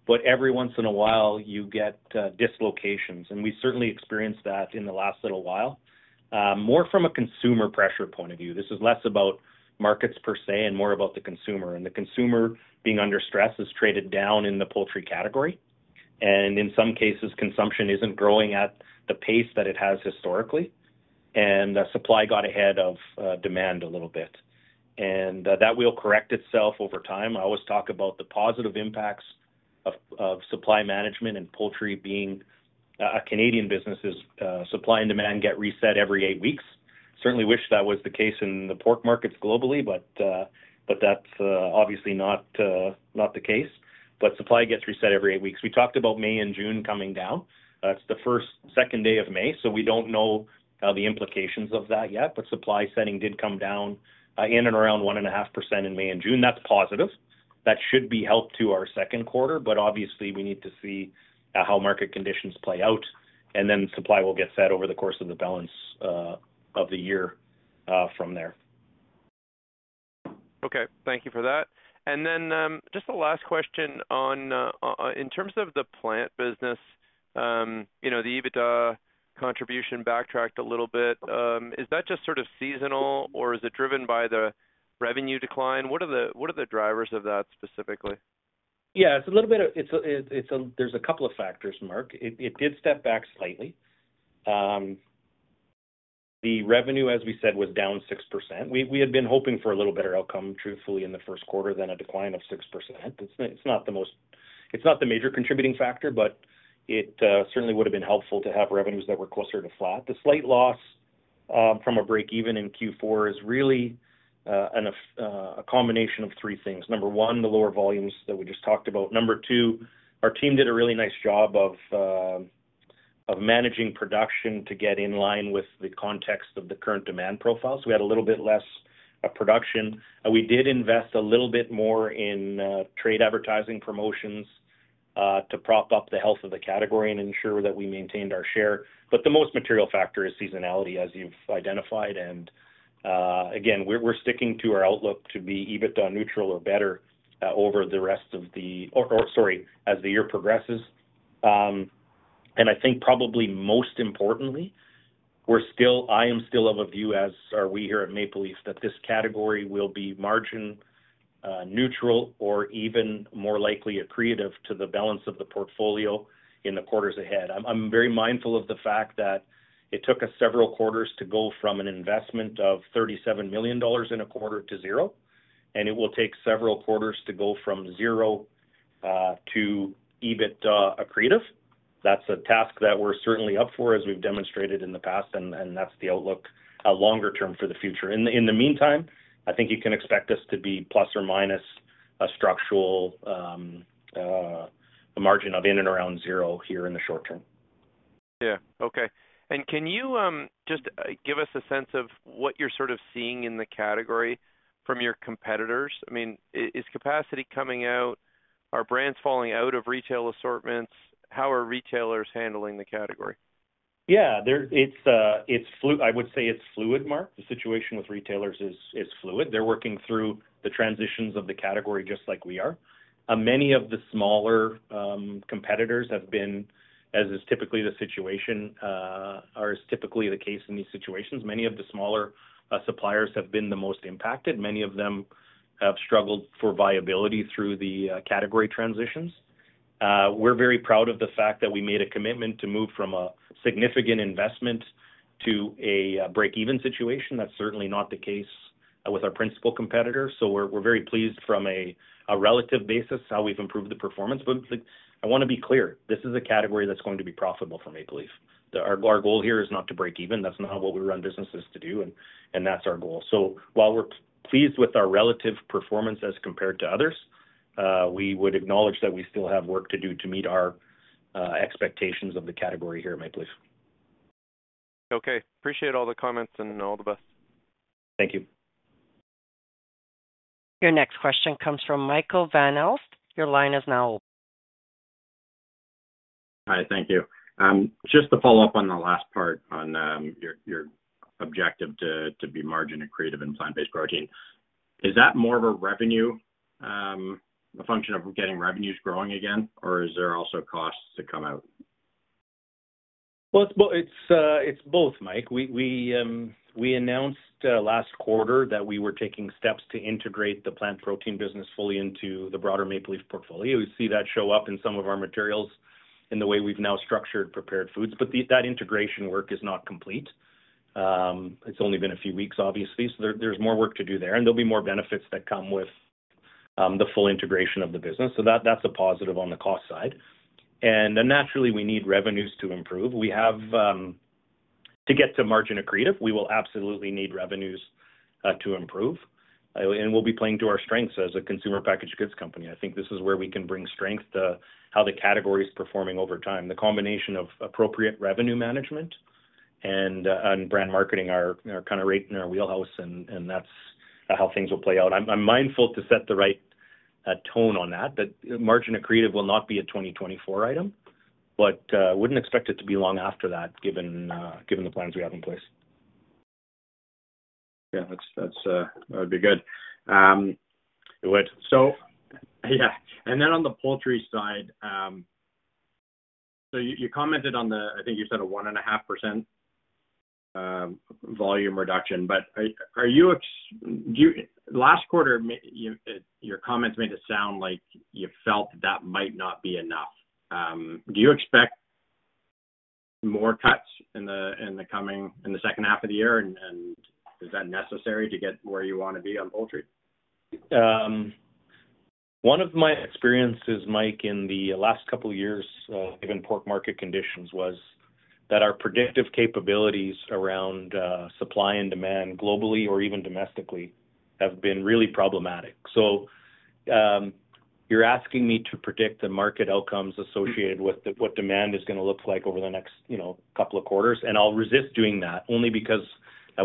but every once in a while, you get dislocations, and we've certainly experienced that in the last little while, more from a consumer pressure point of view. This is less about markets per se and more about the consumer, and the consumer, being under stress, has traded down in the poultry category, and in some cases, consumption isn't growing at the pace that it has historically, and supply got ahead of demand a little bit, and that will correct itself over time. I always talk about the positive impacts of supply management and poultry being a Canadian business is supply and demand get reset every eight weeks. Certainly, wish that was the case in the pork markets globally, but that's obviously not the case. But supply gets reset every eight weeks. We talked about May and June coming down. That's the first, second day of May, so we don't know the implications of that yet, but supply setting did come down in and around 1.5% in May and June. That's positive. That should be help to our second quarter, but obviously we need to see how market conditions play out and then supply will get set over the course of the balance of the year from there. Okay, thank you for that. And then, just a last question on, in terms of the plant business, you know, the EBITDA contribution backtracked a little bit. Is that just sort of seasonal, or is it driven by the revenue decline? What are the drivers of that specifically? Yeah, it's a little bit of a-- there's a couple of factors, Mark. It did step back slightly. The revenue, as we said, was down 6%. We had been hoping for a little better outcome, truthfully, in the first quarter than a decline of 6%. It's not the most-- it's not the major contributing factor, but it certainly would have been helpful to have revenues that were closer to flat. The slight loss from a break even in Q4 is really a combination of three things. Number one, the lower volumes that we just talked about. Number two, our team did a really nice job of managing production to get in line with the context of the current demand profile. So we had a little bit less of production. We did invest a little bit more in trade advertising promotions to prop up the health of the category and ensure that we maintained our share. But the most material factor is seasonality, as you've identified, and again, we're sticking to our outlook to be EBITDA neutral or better over the rest of the year. Or, sorry, as the year progresses. And I think probably most importantly, we're still, I am still of a view, as are we here at Maple Leaf, that this category will be margin neutral or even more likely accretive to the balance of the portfolio in the quarters ahead. I'm very mindful of the fact that it took us several quarters to go from an investment of 37 million dollars in a quarter to zero, and it will take several quarters to go from zero to EBIT accretive. That's a task that we're certainly up for, as we've demonstrated in the past, and that's the outlook, a longer term for the future. In the meantime, I think you can expect us to be plus or minus a structural margin of in and around zero here in the short term. Yeah. Okay. Can you just give us a sense of what you're sort of seeing in the category from your competitors? I mean, is capacity coming out? Are brands falling out of retail assortments? How are retailers handling the category? Yeah, there, it's fluid, Mark. The situation with retailers is fluid. They're working through the transitions of the category just like we are. Many of the smaller competitors have been, as is typically the situation, or is typically the case in these situations, many of the smaller suppliers have been the most impacted. Many of them have struggled for viability through the category transitions. We're very proud of the fact that we made a commitment to move from a significant investment to a break-even situation. That's certainly not the case with our principal competitors. So we're very pleased from a relative basis, how we've improved the performance. But, like, I wanna be clear, this is a category that's going to be profitable for Maple Leaf. Our goal here is not to break even. That's not what we run businesses to do, and that's our goal. So while we're pleased with our relative performance as compared to others, we would acknowledge that we still have work to do to meet our expectations of the category here at Maple Leaf. Okay, appreciate all the comments, and all the best. Thank you. Your next question comes from Michael Van Aelst. Your line is now open. Hi, thank you. Just to follow up on the last part on your objective to be margin accretive in plant-based protein. Is that more of a revenue a function of getting revenues growing again, or is there also costs to come out? Well, it's both, Mike. We announced last quarter that we were taking steps to integrate the Plant Protein business fully into the broader Maple Leaf portfolio. We see that show up in some of our materials in the way we've now structured Prepared Foods, but that integration work is not complete. It's only been a few weeks, obviously, so there's more work to do there, and there'll be more benefits that come with the full integration of the business. So that's a positive on the cost side. And then, naturally, we need revenues to improve. We have... To get to margin accretive, we will absolutely need revenues to improve, and we'll be playing to our strengths as a consumer-packaged goods company. I think this is where we can bring strength, how the category is performing over time. The combination of appropriate revenue management and brand marketing are kind of right in our wheelhouse, and that's how things will play out. I'm mindful to set the right tone on that, margin accretive will not be a 2024 item, but wouldn't expect it to be long after that, given the plans we have in place. Yeah, that's, that's, that would be good. It would. So, yeah, and then on the poultry side, so you, you commented on the... I think you said a 1.5% volume reduction. But are you last quarter, you, your comments made it sound like you felt that might not be enough. Do you expect more cuts in the coming, in the second half of the year, and is that necessary to get where you want to be on poultry? One of my experiences, Mike, in the last couple of years, in pork market conditions, was that our predictive capabilities around, supply and demand, globally or even domestically, have been really problematic. So, you're asking me to predict the market outcomes associated with what demand is gonna look like over the next, you know, couple of quarters, and I'll resist doing that, only because,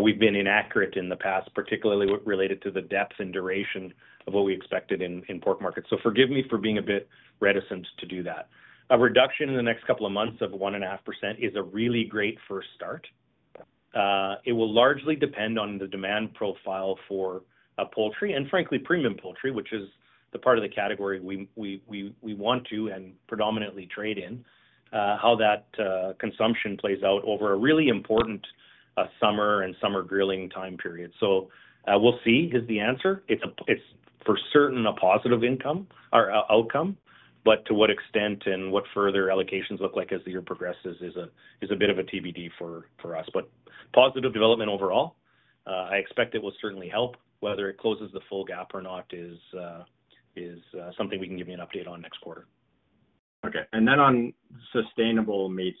we've been inaccurate in the past, particularly related to the depth and duration of what we expected in pork markets. So forgive me for being a bit reticent to do that. A reduction in the next couple of months of 1.5% is a really great first start. It will largely depend on the demand profile for poultry and frankly, premium poultry, which is the part of the category we want to and predominantly trade in, how that consumption plays out over a really important summer grilling time period. So, we'll see, is the answer. It's for certain a positive outcome, but to what extent and what further allocations look like as the year progresses is a bit of a TBD for us. But positive development overall, I expect it will certainly help. Whether it closes the full gap or not is something we can give you an update on next quarter. Okay. And then on Sustainable Meats,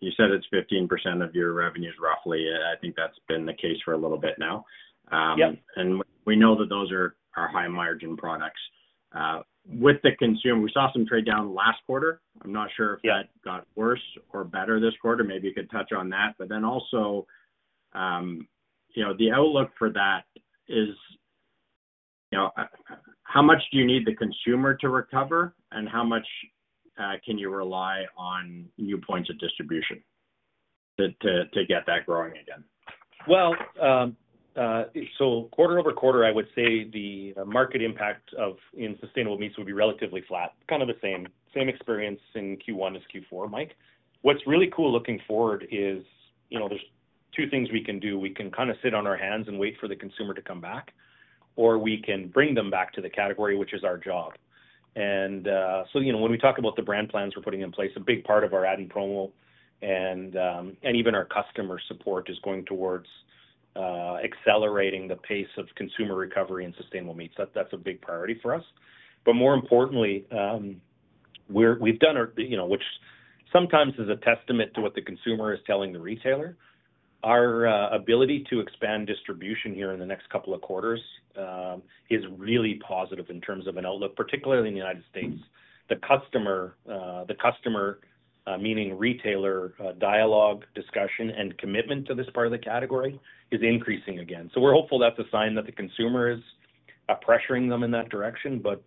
you said it's 15% of your revenues, roughly. I think that's been the case for a little bit now. Yep. And we know that those are our high-margin products. With the consumer, we saw some trade down last quarter. I'm not sure. Yeah If that got worse or better this quarter. Maybe you could touch on that. But then also, you know, the outlook for that is, you know, how much do you need the consumer to recover, and how much can you rely on new points of distribution to get that growing again? Well, so quarter over quarter, I would say the market impact in Sustainable Meats would be relatively flat. Kind of the same, same experience in Q1 as Q4, Mike. What's really cool looking forward is, you know, two things we can do. We can kind of sit on our hands and wait for the consumer to come back, or we can bring them back to the category, which is our job. And, so, you know, when we talk about the brand plans we're putting in place, a big part of our ad and promo and, and even our customer support is going towards accelerating the pace of consumer recovery in Sustainable Meats. That, that's a big priority for us. But more importantly, we've done our, you know, which sometimes is a testament to what the consumer is telling the retailer. Our ability to expand distribution here in the next couple of quarters is really positive in terms of an outlook, particularly in the United States. The customer, meaning retailer, dialogue, discussion, and commitment to this part of the category is increasing again. So we're hopeful that's a sign that the consumer is pressuring them in that direction, but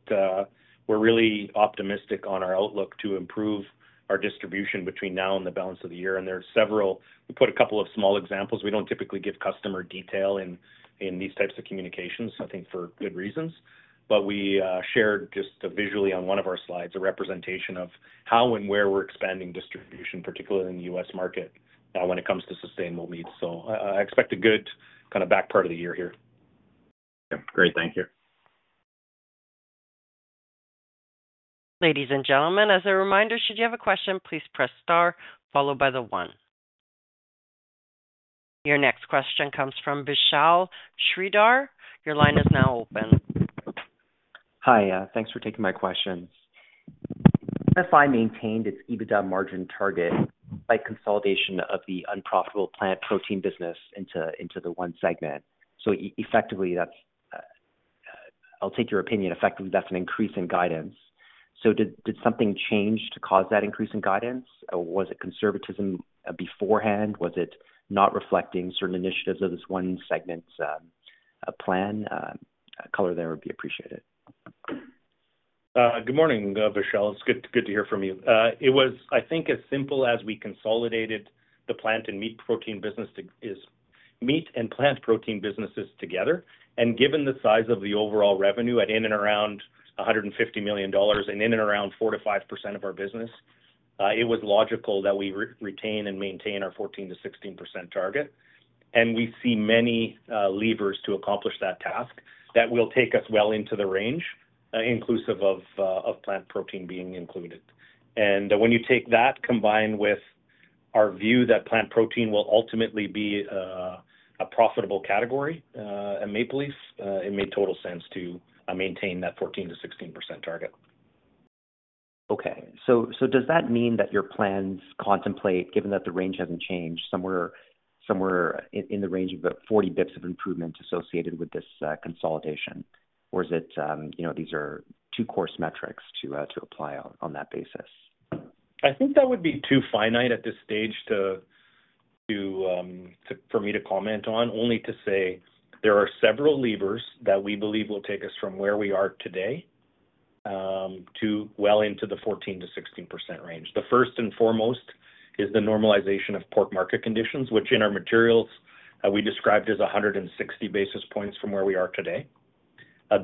we're really optimistic on our outlook to improve our distribution between now and the balance of the year. And there are several. We put a couple of small examples. We don't typically give customer detail in these types of communications, I think, for good reasons. But we shared just visually on one of our slides, a representation of how and where we're expanding distribution, particularly in the U.S. market, when it comes to sustainable meat. So I expect a good kind of back part of the year here. Great. Thank you. Ladies and gentlemen, as a reminder, should you have a question, please press star followed by the one. Your next question comes from Vishal Shreedhar. Your line is now open. Hi, thanks for taking my questions. MFI maintained its EBITDA margin target by consolidation of the unprofitable Plant Protein business into the one segment. So effectively, that's, I'll take your opinion, effectively, that's an increase in guidance. So did something change to cause that increase in guidance, or was it conservatism beforehand? Was it not reflecting certain initiatives of this one segment's plan? Color there would be appreciated. Good morning, Vishal. It's good to hear from you. It was, I think, as simple as we consolidated the meat and Plant Protein businesses together, and given the size of the overall revenue at, in, and around 150 million dollars and in and around 4%-5% of our business, it was logical that we retain and maintain our 14%-16% target. We see many levers to accomplish that task that will take us well into the range, inclusive of Plant Protein being included. When you take that, combined with our view that Plant Protein will ultimately be a profitable category at Maple Leaf, it made total sense to maintain that 14%-16% target. Okay, so does that mean that your plans contemplate, given that the range hasn't changed, somewhere in the range of about 40 basis points of improvement associated with this consolidation? Or is it, you know, these are two coarse metrics to apply on that basis? I think that would be too finite at this stage to for me to comment on, only to say there are several levers that we believe will take us from where we are today, to well into the 14%-16% range. The first and foremost is the normalization of pork market conditions, which in our materials, we described as 160 basis points from where we are today.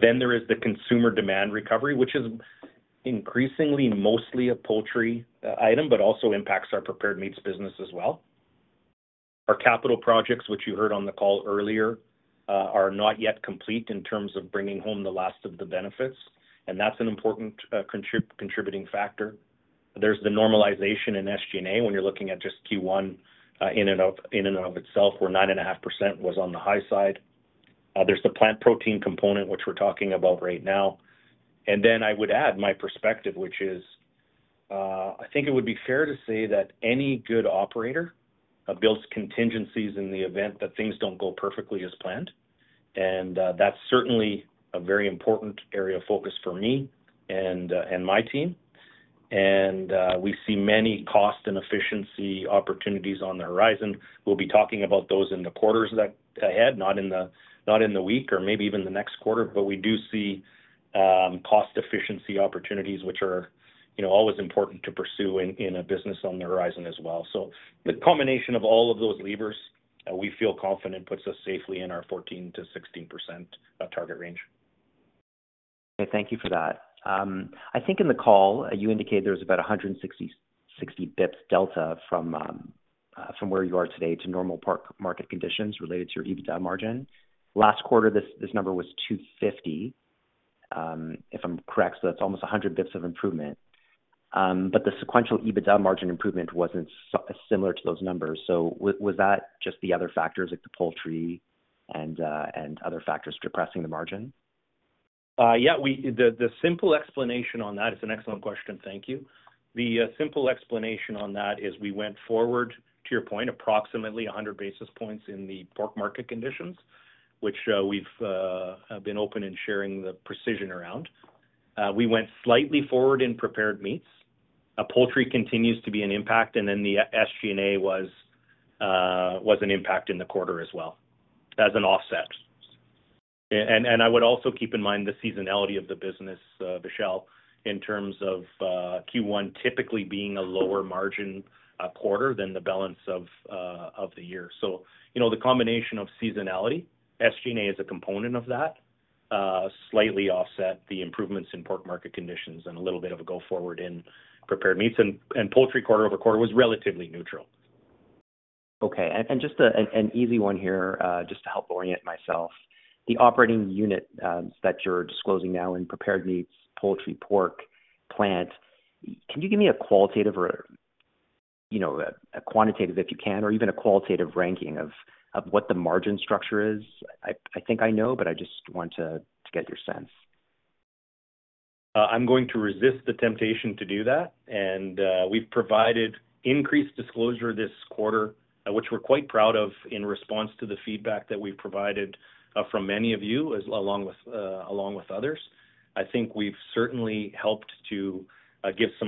Then there is the consumer demand recovery, which is increasingly mostly a poultry item, but also impacts our prepared meats business as well. Our capital projects, which you heard on the call earlier, are not yet complete in terms of bringing home the last of the benefits, and that's an important contributing factor. There's the normalization in SG&A when you're looking at just Q1, in and of itself, where 9.5% was on the high side. There's the Plant Protein component, which we're talking about right now. And then I would add my perspective, which is, I think it would be fair to say that any good operator builds contingencies in the event that things don't go perfectly as planned. And, that's certainly a very important area of focus for me and, and my team. And, we see many cost and efficiency opportunities on the horizon. We'll be talking about those in the quarters ahead, not in the week or maybe even the next quarter, but we do see cost efficiency opportunities, which are, you know, always important to pursue in a business on the horizon as well. So the combination of all of those levers, we feel confident, puts us safely in our 14%-16% target range. Thank you for that. I think in the call, you indicated there was about 160-60 basis points delta from where you are today to normal market conditions related to your EBITDA margin. Last quarter, this number was 250, if I'm correct, so that's almost 100 basis points of improvement. But the sequential EBITDA margin improvement wasn't similar to those numbers. So was that just the other factors, like the poultry and other factors depressing the margin? Yeah, the simple explanation on that is an excellent question. Thank you. The simple explanation on that is we went forward, to your point, approximately 100 basis points in the pork market conditions, which we've been open in sharing the precision around. We went slightly forward in prepared meats. And poultry continues to be an impact, and then the SG&A was an impact in the quarter as well, as an offset. And I would also keep in mind the seasonality of the business, Vishal, in terms of Q1 typically being a lower margin quarter than the balance of the year. So, you know, the combination of seasonality, SG&A is a component of that. Slightly offset the improvements in pork market conditions and a little bit of a go forward in prepared meats and, and poultry quarter-over-quarter was relatively neutral. Okay. And just an easy one here, just to help orient myself. The operating unit that you're disclosing now in prepared meats, poultry, pork, plant, can you give me a qualitative or a, you know, a quantitative, if you can, or even a qualitative ranking of what the margin structure is? I think I know, but I just want to get your sense. I'm going to resist the temptation to do that. And, we've provided increased disclosure this quarter, which we're quite proud of, in response to the feedback that we've provided, from many of you, as well as, along with others. I think we've certainly helped to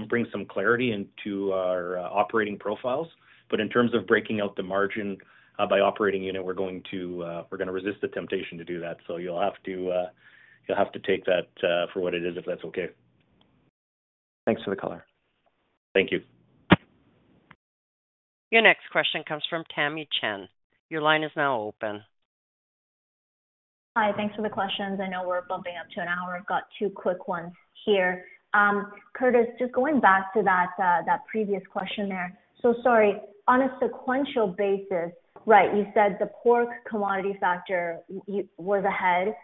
bring some clarity into our operating profiles. But in terms of breaking out the margin, by operating unit, we're going to, we're gonna resist the temptation to do that. So you'll have to, you'll have to take that, for what it is, if that's okay. Thanks for the color. Thank you. Your next question comes from Tamy Chen. Your line is now open. Hi, thanks for the questions. I know we're bumping up to an hour. I've got two quick ones here. Curtis, just going back to that, that previous question there. So, sorry, on a sequential basis, right, you said the pork commodity factor you was ahead,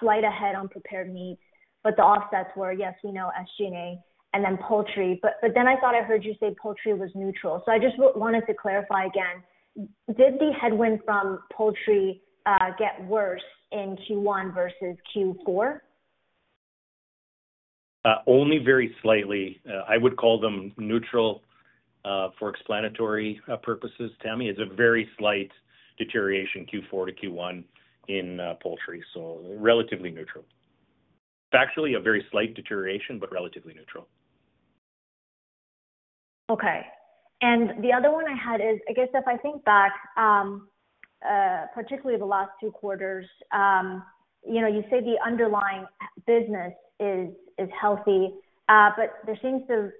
slight ahead on prepared meats, but the offsets were, yes, we know, SG&A and then poultry. But then I thought I heard you say poultry was neutral, so I just wanted to clarify again: Did the headwind from poultry get worse in Q1 versus Q4? Only very slightly. I would call them neutral, for explanatory purposes, Tammy. It's a very slight deterioration Q4 to Q1 in poultry, so relatively neutral. It's actually a very slight deterioration, but relatively neutral. Okay. And the other one I had is, I guess if I think back, particularly the last two quarters, you know, you say the underlying business is, is healthy, but there seems to have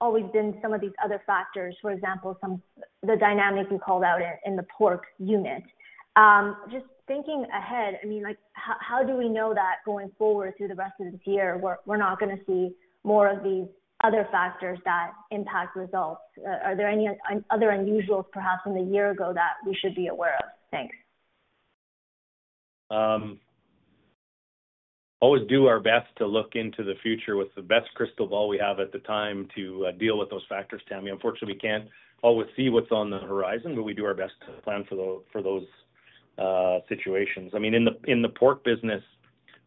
always been some of these other factors. For example, some... the dynamics you called out in, in the pork unit. Just thinking ahead, I mean, like, how, how do we know that going forward through the rest of this year, we're, we're not gonna see more of these other factors that impact results? Are there any other unusuals, perhaps from a year ago, that we should be aware of? Thanks. Always do our best to look into the future with the best crystal ball we have at the time to deal with those factors, Tammy. Unfortunately, we can't always see what's on the horizon, but we do our best to plan for those situations. I mean, in the, in the pork business,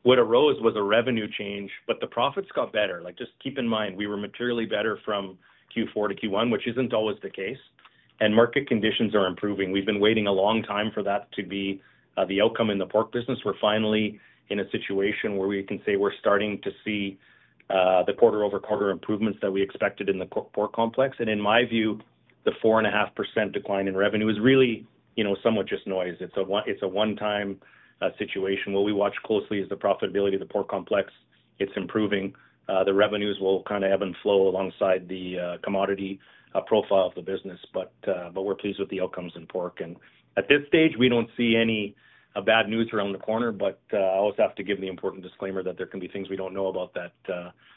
what arose was a revenue change, but the profits got better. Like, just keep in mind, we were materially better from Q4 to Q1, which isn't always the case, and market conditions are improving. We've been waiting a long time for that to be the outcome in the pork business. We're finally in a situation where we can say we're starting to see the quarter over quarter improvements that we expected in the Pork Complex. In my view, the 4.5% decline in revenue is really, you know, somewhat just noise. It's a one-time situation. What we watch closely is the profitability Pork Complex. it's improving. The revenues will kind of ebb and flow alongside the commodity profile of the business. But we're pleased with the outcomes in pork. And at this stage, we don't see any bad news around the corner. But I always have to give the important disclaimer that there can be things we don't know about that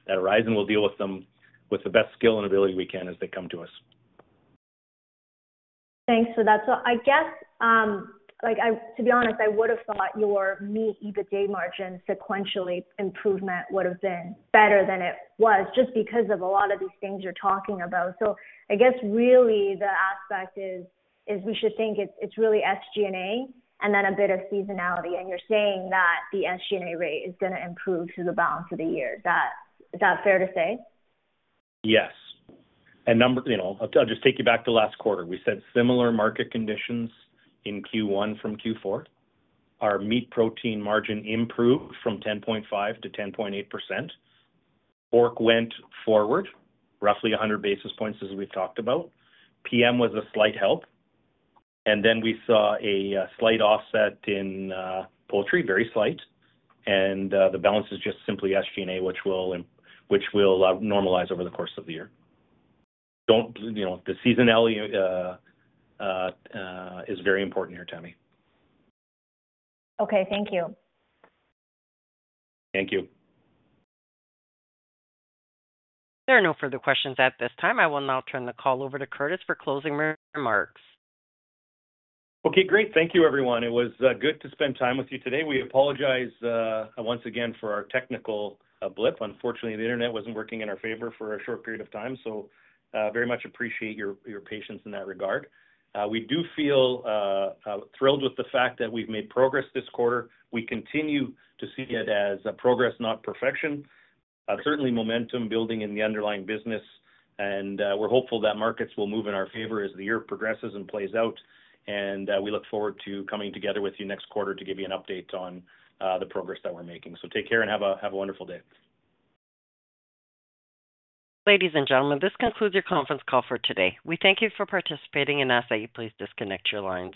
arise, and we'll deal with them with the best skill and ability we can as they come to us. Thanks for that. So I guess, like, to be honest, I would have thought your meat, EBITDA margin sequential improvement would have been better than it was, just because of a lot of these things you're talking about. So I guess really the aspect is, we should think it's really SG&A and then a bit of seasonality, and you're saying that the SG&A rate is gonna improve through the balance of the year. Is that fair to say? Yes. And number. You know, I'll just take you back to last quarter. We said similar market conditions in Q1 from Meat Protein margin improved from 10.5% to 10.8%. Pork went forward, roughly 100 basis points, as we've talked about. PM was a slight help, and then we saw a slight offset in poultry, very slight. And the balance is just simply SG&A, which will normalize over the course of the year. Don't. You know, the seasonality is very important here, Tammy. Okay, thank you. Thank you. There are no further questions at this time. I will now turn the call over to Curtis for closing remarks. Okay, great. Thank you, everyone. It was good to spend time with you today. We apologize once again for our technical blip. Unfortunately, the internet wasn't working in our favor for a short period of time, so very much appreciate your patience in that regard. We do feel thrilled with the fact that we've made progress this quarter. We continue to see it as a progress, not perfection. Certainly momentum building in the underlying business, and we're hopeful that markets will move in our favor as the year progresses and plays out. And we look forward to coming together with you next quarter to give you an update on the progress that we're making. So take care and have a wonderful day. Ladies and gentlemen, this concludes your conference call for today. We thank you for participating and ask that you please disconnect your lines.